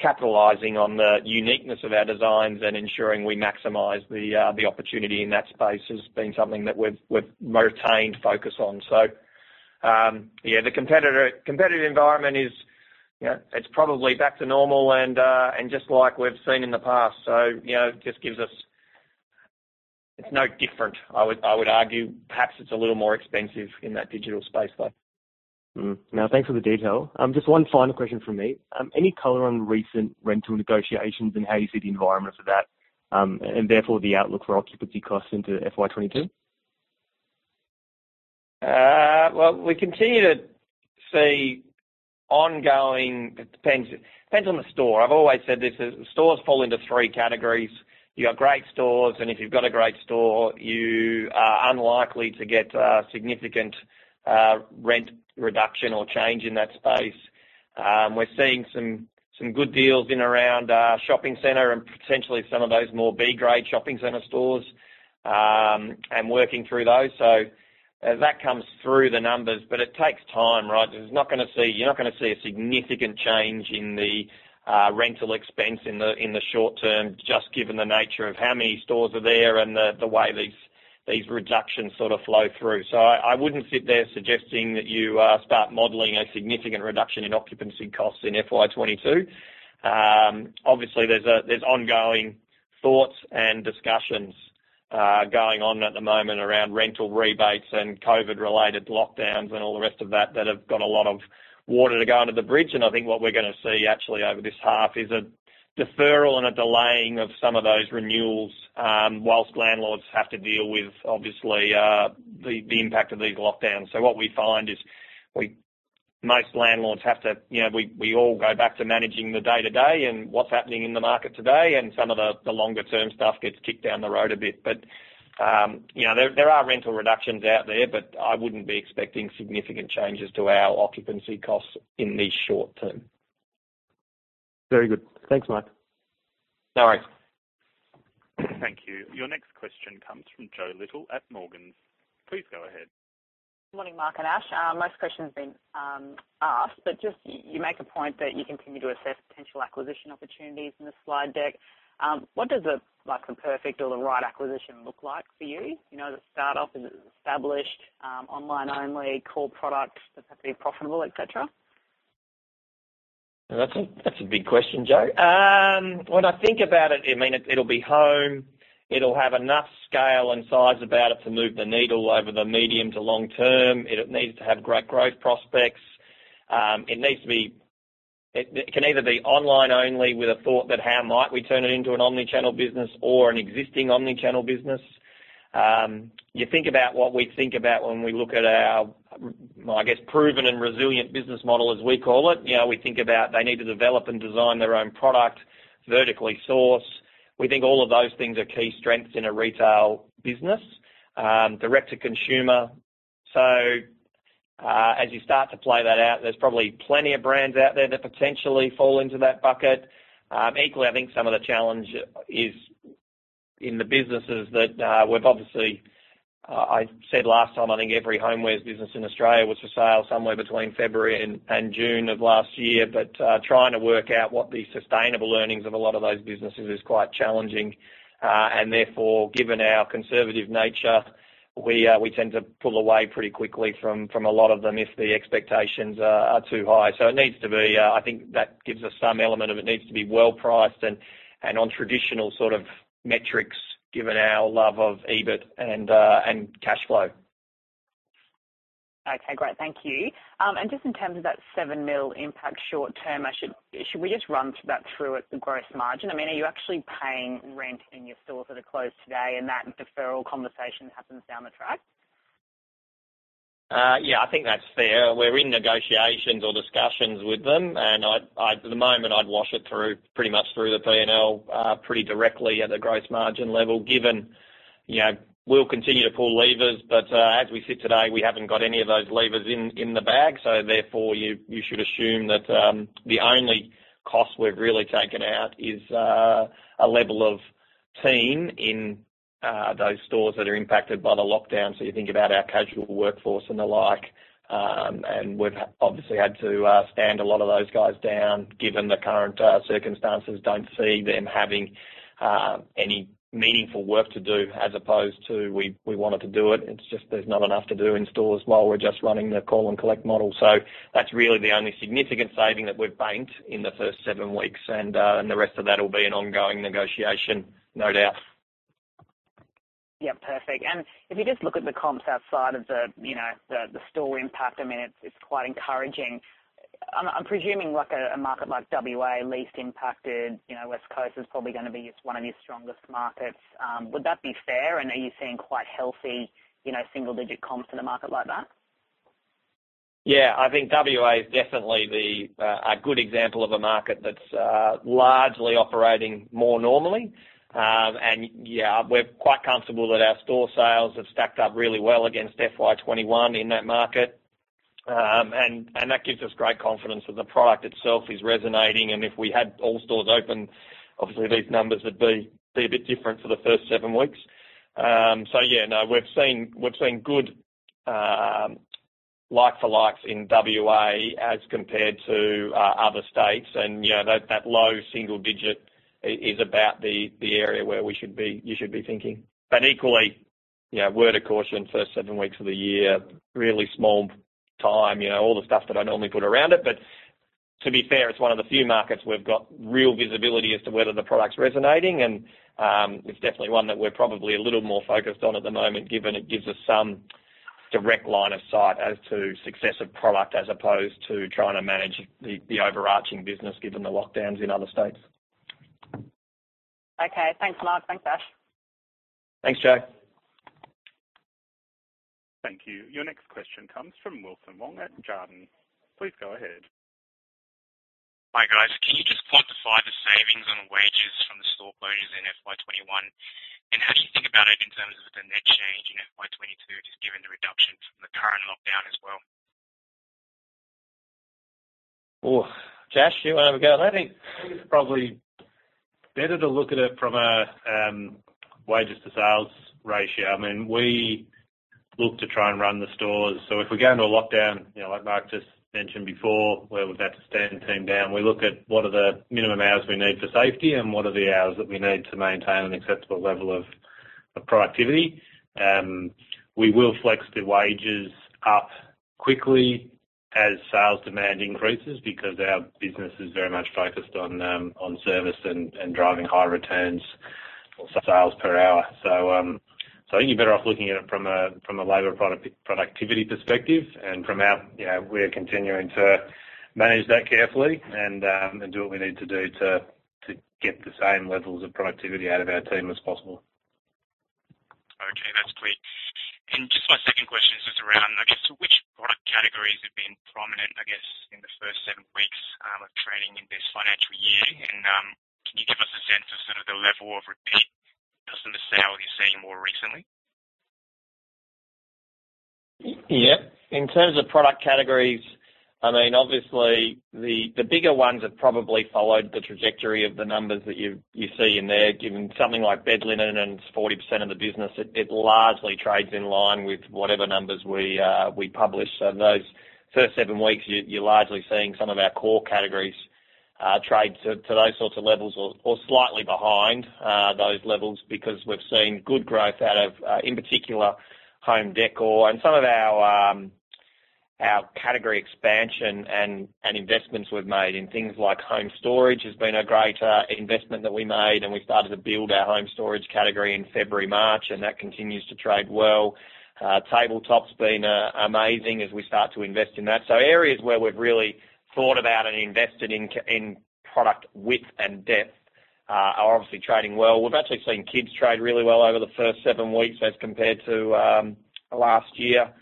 capitalizing on the uniqueness of our designs and ensuring we maximize the opportunity in that space has been something that we've maintained focus on. Yeah, the competitive environment is probably back to normal and just like we've seen in the past. It's no different. I would argue perhaps it's a little more expensive in that digital space, though. Thanks for the detail. Just one final question from me. Any color on recent rental negotiations and how you see the environment for that, and therefore the outlook for occupancy costs into FY 2022? Well, we continue to see. It depends on the store. I've always said this. Stores fall into three categories. You've got great stores, and if you've got a great store, you are unlikely to get significant rent reduction or change in that space. We're seeing some good deals in around shopping center and potentially some of those more B-grade shopping center stores, and working through those. As that comes through the numbers, but it takes time, right? You're not going to see a significant change in the rental expense in the short term, just given the nature of how many stores are there and the way these reductions sort of flow through. I wouldn't sit there suggesting that you start modeling a significant reduction in occupancy costs in FY 2022. Obviously, there's ongoing thoughts and discussions going on at the moment around rental rebates and COVID-related lockdowns and all the rest of that have got a lot of water to go under the bridge. I think what we're going to see actually over this half is a deferral and a delaying of some of those renewals, whilst landlords have to deal with, obviously, the impact of these lockdowns. What we find is most landlords have to. We all go back to managing the day-to-day and what's happening in the market today, and some of the longer term stuff gets kicked down the road a bit. There are rental reductions out there, but I wouldn't be expecting significant changes to our occupancy costs in the short term. Very good. Thanks, Mark. No worries. Thank you. Your next question comes from Jo Little at Morgans. Please go ahead. Good morning, Mark and Ash. Most questions have been asked, but just you make a point that you continue to assess potential acquisition opportunities in the slide deck. What does the perfect or the right acquisition look like for you? Is it a startup? Is it established? Online only? Core product? Does it have to be profitable, et cetera? That's a big question, Jo. When I think about it'll be home. It'll have enough scale and size about it to move the needle over the medium to long term. It needs to have great growth prospects. It can either be online only with a thought that, how might we turn it into an omni-channel business or an existing omni-channel business? You think about what we think about when we look at our, I guess, proven and resilient business model, as we call it. We think about they need to develop and design their own product, vertically source. We think all of those things are key strengths in a retail business, direct to consumer. As you start to play that out, there's probably plenty of brands out there that potentially fall into that bucket. Equally, I think some of the challenge is in the businesses that we've I said last time, I think every homewares business in Australia was for sale somewhere between February and June of last year. Trying to work out what the sustainable earnings of a lot of those businesses is quite challenging. Therefore, given our conservative nature, we tend to pull away pretty quickly from a lot of them if the expectations are too high. I think that gives us some element of it needs to be well priced and on traditional sort of metrics, given our love of EBIT and cash flow. Okay, great. Thank you. Just in terms of that 7 million impact short term, should we just run that through at the gross margin? Are you actually paying rent in your stores that are closed today and that deferral conversation happens down the track? Yeah, I think that's fair. We're in negotiations or discussions with them, and at the moment, I'd wash it through, pretty much through the P&L, pretty directly at a gross margin level, given we'll continue to pull levers, but, as we sit today, we haven't got any of those levers in the bag. Therefore, you should assume that the only cost we've really taken out is a level of team in those stores that are impacted by the lockdown. You think about our casual workforce and the like, and we've obviously had to stand a lot of those guys down, given the current circumstances, don't see them having any meaningful work to do as opposed to we wanted to do it. It's just there's not enough to do in stores while we're just running the call and collect model. That's really the only significant saving that we've banked in the first seven weeks, and the rest of that will be an ongoing negotiation, no doubt. Yep. Perfect. If you just look at the comps outside of the store impact, it's quite encouraging. I'm presuming a market like W.A. least impacted, West Coast is probably going to be one of your strongest markets. Would that be fair? Are you seeing quite healthy single-digit comps in a market like that? I think WA is definitely a good example of a market that's largely operating more normally. We're quite comfortable that our store sales have stacked up really well against FY 2021 in that market. That gives us great confidence that the product itself is resonating. If we had all stores open, obviously these numbers would be a bit different for the first seven weeks. Yeah, no, we've seen good like for likes in WA as compared to other states. That low single digit is about the area where you should be thinking. Equally, word of caution, first seven weeks of the year, really small time, all the stuff that I normally put around it. To be fair, it's one of the few markets we've got real visibility as to whether the product's resonating, and it's definitely one that we're probably a little more focused on at the moment, given it gives us some direct line of sight as to success of product, as opposed to trying to manage the overarching business, given the lockdowns in other states. Okay. Thanks, Mark. Thanks, Ash. Thanks, Jo. Thank you. Your next question comes from Wilson Wong at Jarden. Please go ahead. Hi, guys. Can you just quantify the savings on the wages from the store closures in FY 2021? How do you think about it in terms of the net change in FY 2022, just given the reduction from the current lockdown as well? Ooh, Ash, you want to have a go at that? I think it's probably better to look at it from a wages to sales ratio. We look to try and run the stores, so if we go into a lockdown like Mark just mentioned before, where we've had to stand the team down, we look at what are the minimum hours we need for safety and what are the hours that we need to maintain an acceptable level of productivity. We will flex the wages up quickly as sales demand increases because our business is very much focused on service and driving high returns or sales per hour. I think you're better off looking at it from a labor productivity perspective and we're continuing to manage that carefully and do what we need to do to get the same levels of productivity out of our team as possible. Okay. That's clear. Just my second question is just around, I guess, which product categories have been prominent, I guess, in the first seven weeks of trading in this financial year? Can you give us a sense of sort of the level of repeat customer sales you're seeing more recently? In terms of product categories, obviously the bigger ones have probably followed the trajectory of the numbers that you see in there, given something like bed linen and it's 40% of the business, it largely trades in line with whatever numbers we publish. Those first seven weeks, you're largely seeing some of our core categories trade to those sorts of levels or slightly behind those levels because we've seen good growth out of, in particular, home decor and some of our category expansion and investments we've made in things like home storage has been a great investment that we made and we started to build our home storage category in February, March, and that continues to trade well. Tabletop's been amazing as we start to invest in that. Areas where we've really thought about and invested in product width and depth are obviously trading well. We've actually seen kids trade really well over the first seven weeks as compared to last year.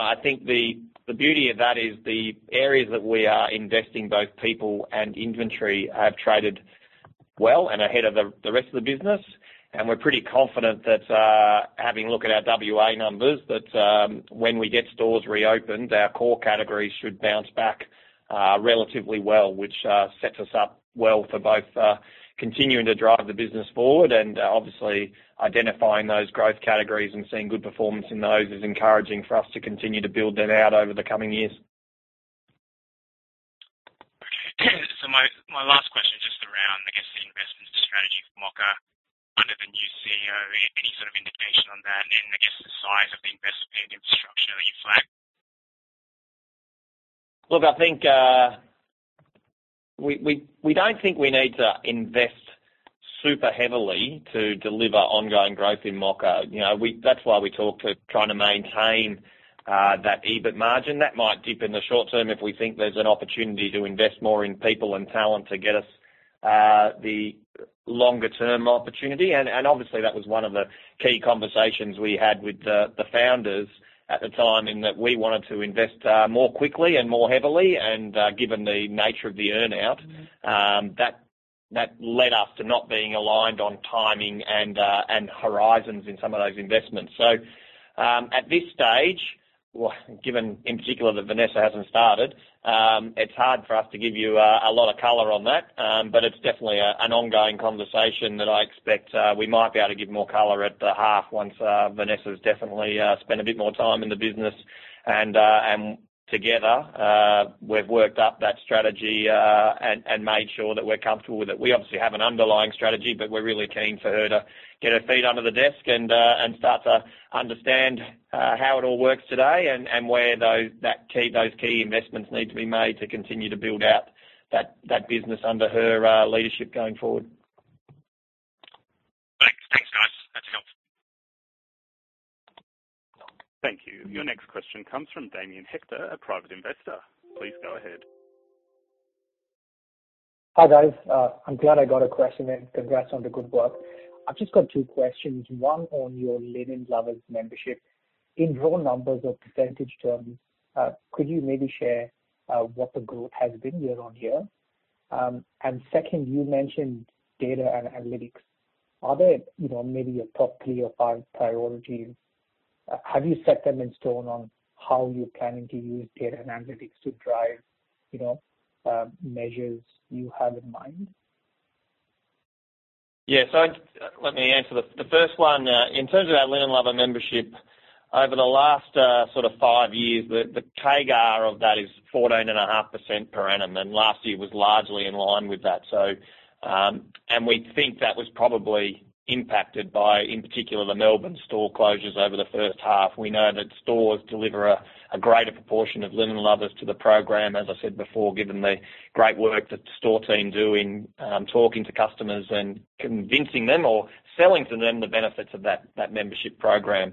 I think the beauty of that is the areas that we are investing both people and inventory have traded well and ahead of the rest of the business. We're pretty confident that, having a look at our W.A. numbers, that when we get stores reopened, our core categories should bounce back relatively well, which sets us up well for both continuing to drive the business forward and obviously identifying those growth categories and seeing good performance in those is encouraging for us to continue to build that out over the coming years. My last question is just around, I guess, the investment strategy for Mocka under the new CEO. Any sort of indication on that and I guess the size of the investment and infrastructure that you flagged? Look, we don't think we need to invest super heavily to deliver ongoing growth in Mocka. That's why we talk to trying to maintain that EBIT margin. That might dip in the short term if we think there's an opportunity to invest more in people and talent to get us the longer-term opportunity. Obviously, that was one of the key conversations we had with the founders at the time in that we wanted to invest more quickly and more heavily, and given the nature of the earn-out, that led us to not being aligned on timing and horizons in some of those investments. At this stage, given in particular that Vanessa hasn't started, it's hard for us to give you a lot of color on that. It's definitely an ongoing conversation that I expect we might be able to give more color at the half once Vanessa's definitely spent a bit more time in the business and together, we've worked up that strategy and made sure that we're comfortable with it. We obviously have an underlying strategy, but we're really keen for her to get her feet under the desk and start to understand how it all works today and where those key investments need to be made to continue to build out that business under her leadership going forward. Thanks, guys. That's helpful. Thank you. Your next question comes from Damian Hector, a private investor. Please go ahead. Hi guys. I'm glad I got a question in. Congrats on the good work. I've just got two questions. 1 on your Linen Lovers membership. In raw numbers or percentage terms, could you maybe share what the growth has been year-on-year? Second, you mentioned data analytics. Are they maybe your top three or five priorities? Have you set them in stone on how you're planning to use data and analytics to drive measures you have in mind? Yes. Let me answer the first one In terms of our Linen Lover membership, over the last five years, the CAGR of that is 14.5% per annum, and last year was largely in line with that. We think that was probably impacted by, in particular, the Melbourne store closures over the first half. We know that stores deliver a greater proportion of Linen Lovers to the program, as I said before, given the great work that the store team do in talking to customers and convincing them or selling to them the benefits of that membership program.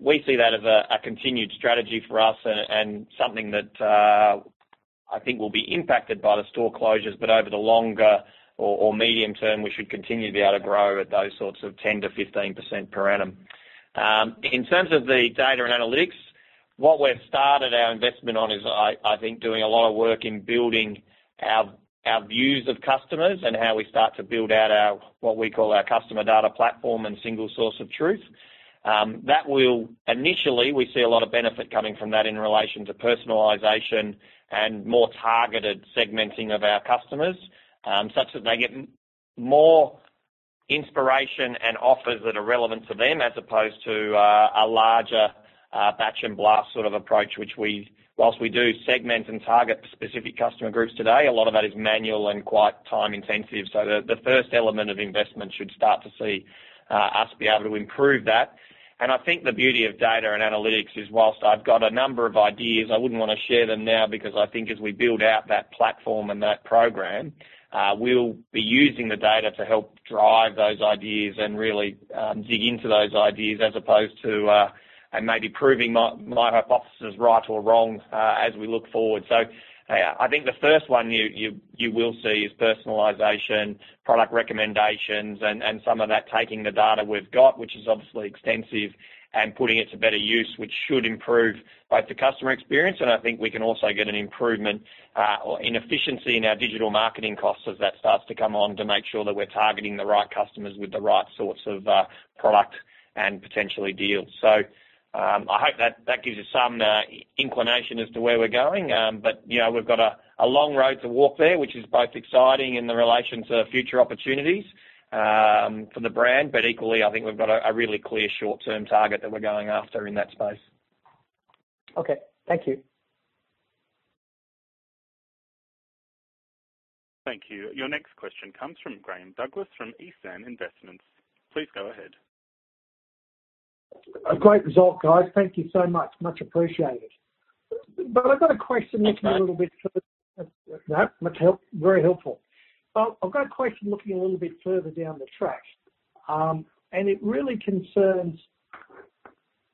We see that as a continued strategy for us and something that I think will be impacted by the store closures. Over the longer or medium term, we should continue to be able to grow at those sorts of 10%-15% per annum. In terms of the data and analytics, what we've started our investment on is, I think, doing a lot of work in building our views of customers and how we start to build out what we call our customer data platform and single source of truth. Initially, we see a lot of benefit coming from that in relation to personalization and more targeted segmenting of our customers, such that they get more inspiration and offers that are relevant to them as opposed to a larger batch and blast sort of approach. Whilst we do segment and target specific customer groups today, a lot of that is manual and quite time intensive. The first element of investment should start to see us be able to improve that. I think the beauty of data and analytics is whilst I've got a number of ideas, I wouldn't want to share them now because I think as we build out that platform and that program, we'll be using the data to help drive those ideas and really dig into those ideas as opposed to and maybe proving my hypothesis right or wrong as we look forward. I think the first one you will see is personalization, product recommendations, and some of that taking the data we've got, which is obviously extensive, and putting it to better use, which should improve both the customer experience, and I think we can also get an improvement in efficiency in our digital marketing costs as that starts to come on to make sure that we're targeting the right customers with the right sorts of product and potentially deals. I hope that gives you some inclination as to where we're going. We've got a long road to walk there, which is both exciting in the relation to future opportunities for the brand. Equally, I think we've got a really clear short-term target that we're going after in that space. Okay. Thank you. Thank you. Your next question comes from Graham Douglas from Aitken Investment. Please go ahead. A great result, guys. Thank you so much. Much appreciated. Okay. No, very helpful. I've got a question looking a little bit further down the track, and it really concerns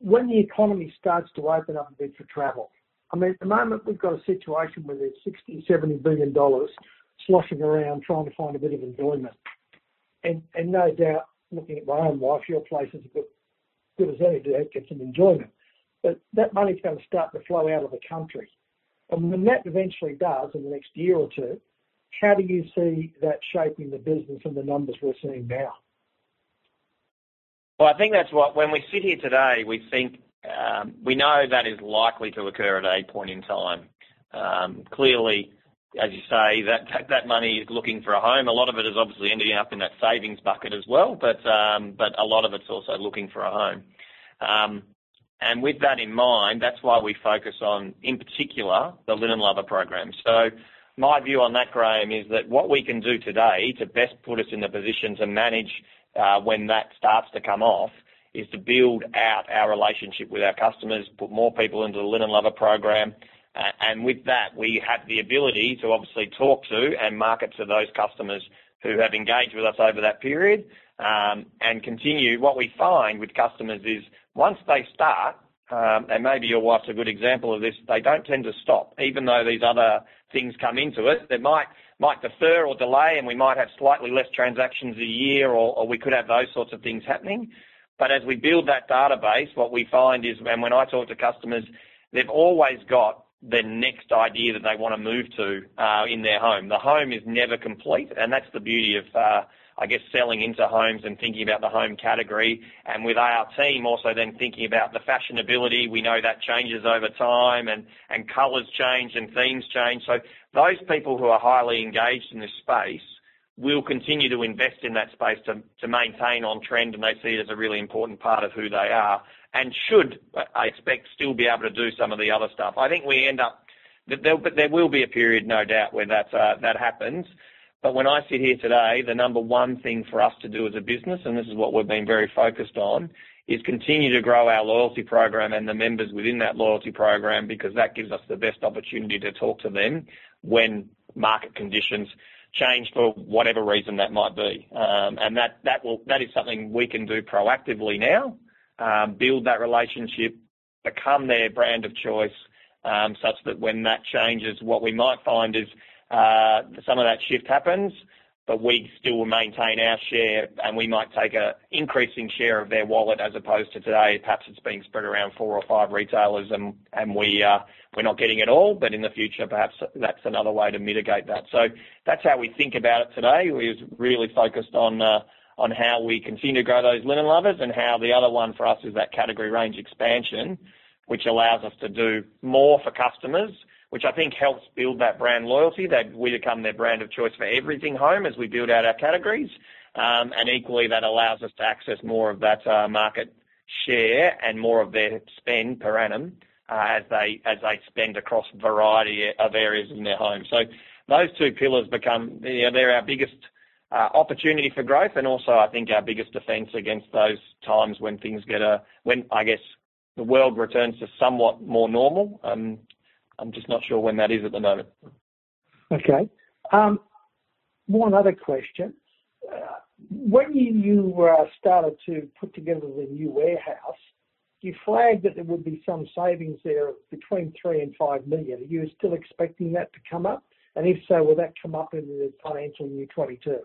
when the economy starts to open up a bit for travel. I mean, at the moment, we've got a situation where there's 60 billion, 70 billion dollars sloshing around trying to find a bit of enjoyment. No doubt, looking at my own wife, your place is good as any to get some enjoyment. That money's going to start to flow out of the country. When that eventually does in the next year or two, how do you see that shaping the business and the numbers we're seeing now? Well, I think when we sit here today, we know that is likely to occur at a point in time. As you say, that money is looking for a home. A lot of it is obviously ending up in that savings bucket as well, a lot of it's also looking for a home. With that in mind, that's why we focus on, in particular, the Linen Lover program. My view on that, Graham, is that what we can do today to best put us in the position to manage when that starts to come off, is to build out our relationship with our customers, put more people into the Linen Lover program. With that, we have the ability to obviously talk to and market to those customers who have engaged with us over that period, and continue. What we find with customers is once they start, and maybe your wife's a good example of this, they don't tend to stop, even though these other things come into it. They might defer or delay, and we might have slightly less transactions a year or we could have those sorts of things happening. As we build that database, what we find is when I talk to customers, they've always got the next idea that they want to move to in their home. The home is never complete, and that's the beauty of, I guess, selling into homes and thinking about the home category. With our team also then thinking about the fashionability, we know that changes over time and colors change and themes change. Those people who are highly engaged in this space will continue to invest in that space to maintain on trend, and they see it as a really important part of who they are and should, I expect, still be able to do some of the other stuff. There will be a period, no doubt, where that happens. When I sit here today, the number one thing for us to do as a business, and this is what we've been very focused on, is continue to grow our loyalty program and the members within that loyalty program, because that gives us the best opportunity to talk to them when market conditions change for whatever reason that might be. That is something we can do proactively now, build that relationship, become their brand of choice, such that when that changes, what we might find is some of that shift happens, but we still maintain our share, and we might take an increasing share of their wallet as opposed to today, perhaps it's being spread around four or five retailers and we're not getting it all, but in the future, perhaps that's another way to mitigate that. That's how we think about it today. We're really focused on how we continue to grow those Linen Lovers and how the other one for us is that category range expansion, which allows us to do more for customers, which I think helps build that brand loyalty, that we become their brand of choice for everything home as we build out our categories. Equally, that allows us to access more of that market share and more of their spend per annum as they spend across a variety of areas in their home. Those two pillars, they're our biggest opportunity for growth and also, I think our biggest defense against those times when, I guess, the world returns to somewhat more normal. I'm just not sure when that is at the moment. Okay. One other question. When you started to put together the new warehouse, you flagged that there would be some savings there between 3 million-5 million. Are you still expecting that to come up? If so, will that come up in FY 2022?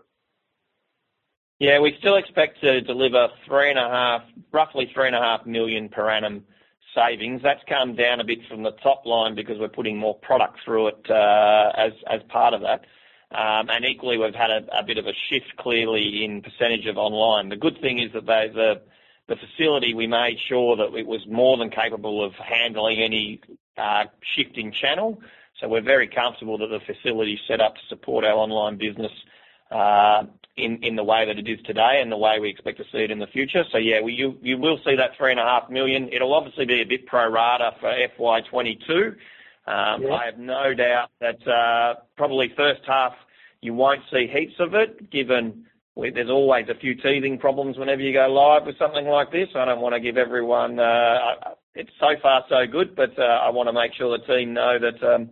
Yeah, we still expect to deliver roughly 3.5 million per annum savings. That's come down a bit from the top line because we're putting more product through it as part of that. Equally, we've had a bit of a shift clearly in percentage of online. The good thing is that the facility, we made sure that it was more than capable of handling any shifting channel. We're very comfortable that the facility is set up to support our online business in the way that it is today and the way we expect to see it in the future. Yeah, you will see that 3.5 million. It'll obviously be a bit pro rata for FY 2022. Yeah. I have no doubt that probably first half you won't see heaps of it, given there's always a few teething problems whenever you go live with something like this. It's so far so good, but I want to make sure the team know that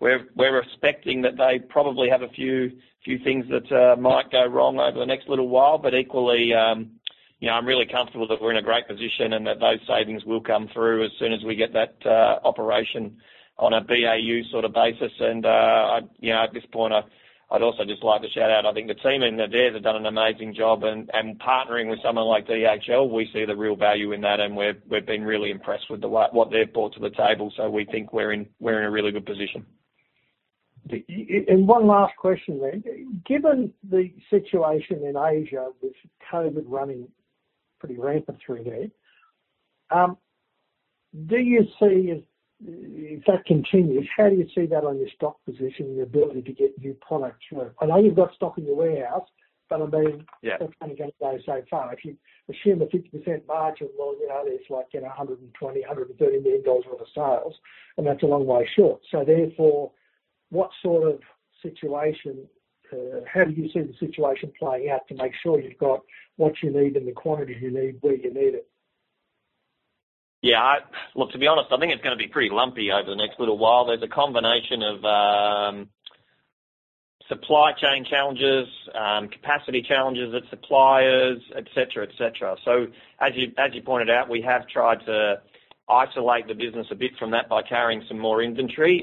we're expecting that they probably have a few things that might go wrong over the next little while. Equally, I'm really comfortable that we're in a great position and that those savings will come through as soon as we get that operation on a BAU sort of basis. At this point, I'd also just like to shout out, I think the team in Adairs have done an amazing job and partnering with someone like DHL, we see the real value in that and we've been really impressed with what they've brought to the table. We think we're in a really good position. One last question then. Given the situation in Asia, with COVID running pretty rampant through there, if that continues, how do you see that on your stock position and your ability to get new product through? I know you've got stock in your warehouse. Yeah That's only going to go so far. If you assume a 50% margin, well, it's like 120 million-130 million dollars worth of sales, That's a long way short. Therefore, how do you see the situation playing out to make sure you've got what you need in the quantities you need where you need it? Yeah. Look, to be honest, I think it's going to be pretty lumpy over the next little while. There's a combination of supply chain challenges, capacity challenges at suppliers, et cetera. As you pointed out, we have tried to isolate the business a bit from that by carrying some more inventory.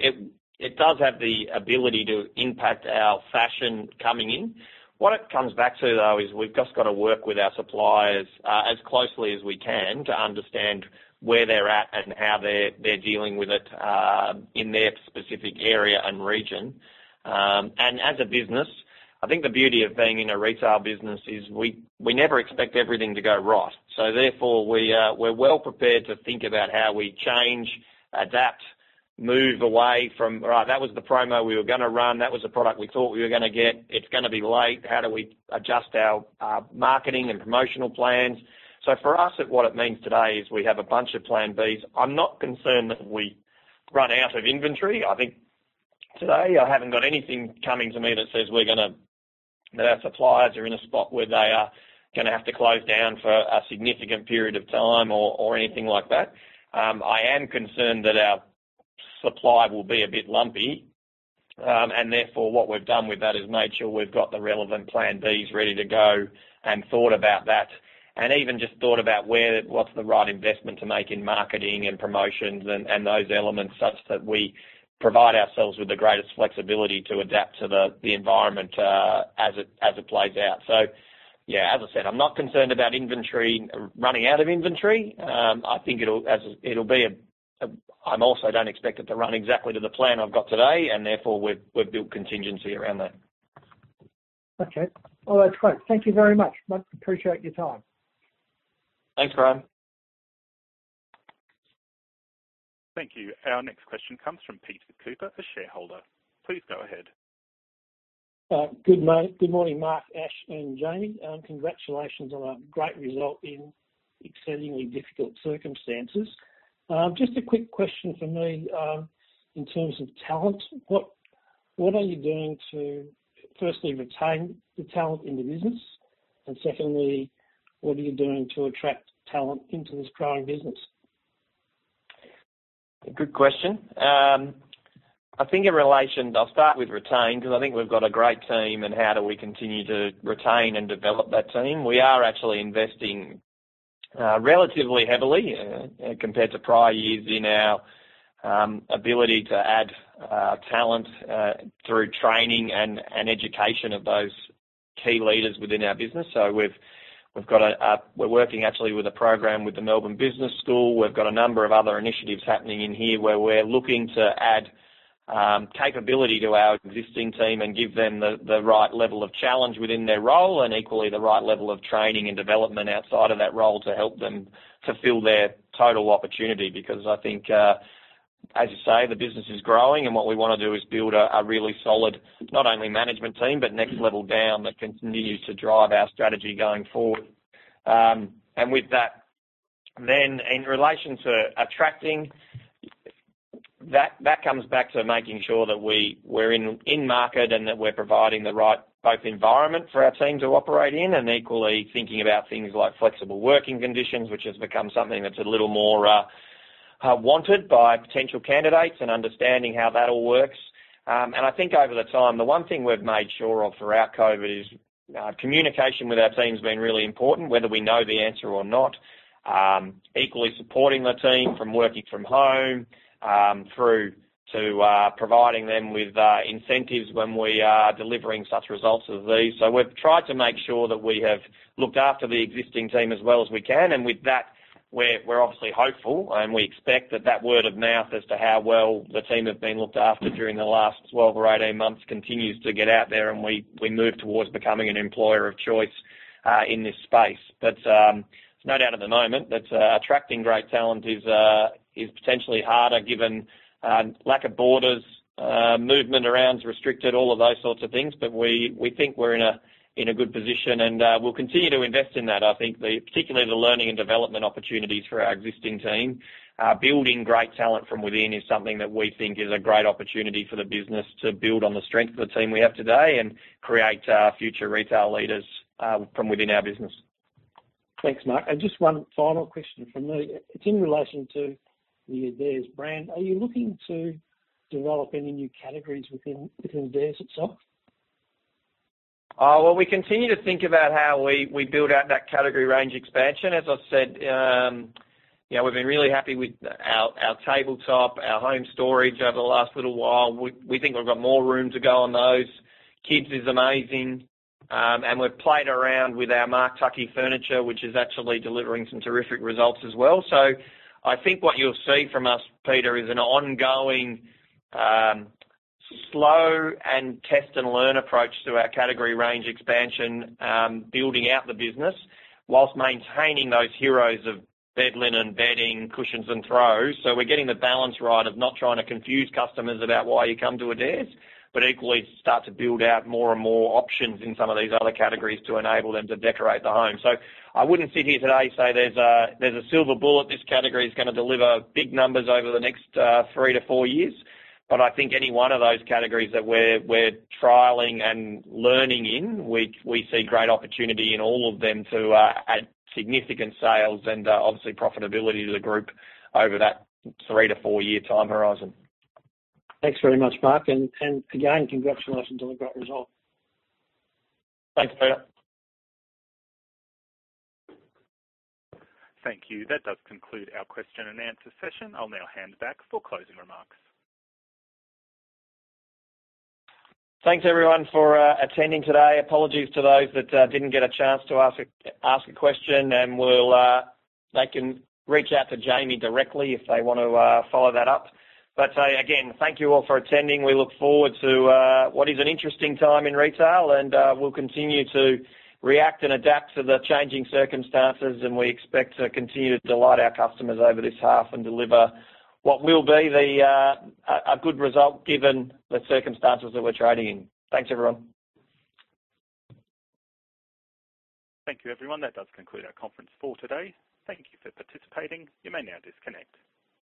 It does have the ability to impact our fashion coming in. What it comes back to, though, is we've just got to work with our suppliers as closely as we can to understand where they're at and how they're dealing with it in their specific area and region. As a business, I think the beauty of being in a retail business is we never expect everything to go right. Therefore, we're well prepared to think about how we change, adapt, move away from, "All right, that was the promo we were going to run. That was the product we thought we were going to get. It's going to be late. How do we adjust our marketing and promotional plans? For us, what it means today is we have a bunch of plan Bs. I'm not concerned that we run out of inventory. I think today, I haven't got anything coming to me that says that our suppliers are in a spot where they are going to have to close down for a significant period of time or anything like that. I am concerned that our supply will be a bit lumpy, and therefore, what we've done with that is made sure we've got the relevant plan Bs ready to go and thought about that, and even just thought about what's the right investment to make in marketing and promotions and those elements, such that we provide ourselves with the greatest flexibility to adapt to the environment as it plays out. Yeah, as I said, I'm not concerned about running out of inventory. I also don't expect it to run exactly to the plan I've got today, and therefore, we've built contingency around that. Okay. All right, great. Thank you very much, Mark. Appreciate your time. Thanks, Graham. Thank you. Our next question comes from Peter Cooper, a shareholder. Please go ahead. Good morning, Mark, Ash, and Jamie. Congratulations on a great result in exceedingly difficult circumstances. Just a quick question from me in terms of talent. What are you doing to, firstly, retain the talent in the business? Secondly, what are you doing to attract talent into this growing business? Good question. I'll start with retain, because I think we've got a great team and how do we continue to retain and develop that team? We are actually investing relatively heavily compared to prior years in our ability to add talent through training and education of those key leaders within our business. We're working actually with a program with the Melbourne Business School. We've got a number of other initiatives happening in here where we're looking to add capability to our existing team and give them the right level of challenge within their role, and equally the right level of training and development outside of that role to help them fulfill their total opportunity. I think, as you say, the business is growing, and what we want to do is build a really solid, not only management team, but next level down that continues to drive our strategy going forward. With that, in relation to attracting, that comes back to making sure that we're in market and that we're providing the right both environment for our team to operate in. Equally thinking about things like flexible working conditions, which has become something that's a little more wanted by potential candidates and understanding how that all works. I think over the time, the one thing we've made sure of throughout COVID-19 is communication with our team has been really important, whether we know the answer or not. Equally supporting the team from working from home, through to providing them with incentives when we are delivering such results as these. We've tried to make sure that we have looked after the existing team as well as we can. With that, we're obviously hopeful, and we expect that that word of mouth as to how well the team have been looked after during the last 12 or 18 months continues to get out there and we move towards becoming an employer of choice in this space. There's no doubt at the moment that attracting great talent is potentially harder given lack of borders, movement around is restricted, all of those sorts of things. We think we're in a good position, and we'll continue to invest in that. I think particularly the learning and development opportunities for our existing team. Building great talent from within is something that we think is a great opportunity for the business to build on the strength of the team we have today and create future retail leaders from within our business. Thanks, Mark. Just 1 final question from me. It's in relation to the Adairs brand. Are you looking to develop any new categories within Adairs itself? Well, we continue to think about how we build out that category range expansion. As I've said, we've been really happy with our tabletop, our home storage over the last little while. We think we've got more room to go on those. Kids is amazing. We've played around with our Mark Tuckey furniture, which is actually delivering some terrific results as well. I think what you'll see from us, Peter, is an ongoing, slow and test and learn approach to our category range expansion, building out the business whilst maintaining those heroes of bed linen, bedding, cushions, and throws. We're getting the balance right of not trying to confuse customers about why you come to Adairs, but equally start to build out more and more options in some of these other categories to enable them to decorate the home. I wouldn't sit here today say there's a silver bullet, this category is going to deliver big numbers over the next three to four years. I think any one of those categories that we're trialing and learning in, we see great opportunity in all of them to add significant sales and obviously profitability to the group over that three to four-year time horizon. Thanks very much, Mark, and again, congratulations on a great result. Thanks, Peter. Thank you. That does conclude our question and answer session. I'll now hand back for closing remarks. Thanks, everyone, for attending today. Apologies to those that didn't get a chance to ask a question. They can reach out to Jamie directly if they want to follow that up. Again, thank you all for attending. We look forward to what is an interesting time in retail. We'll continue to react and adapt to the changing circumstances. We expect to continue to delight our customers over this half and deliver what will be a good result given the circumstances that we're trading in. Thanks, everyone. Thank you, everyone. That does conclude our conference call today. Thank you for participating. You may now disconnect.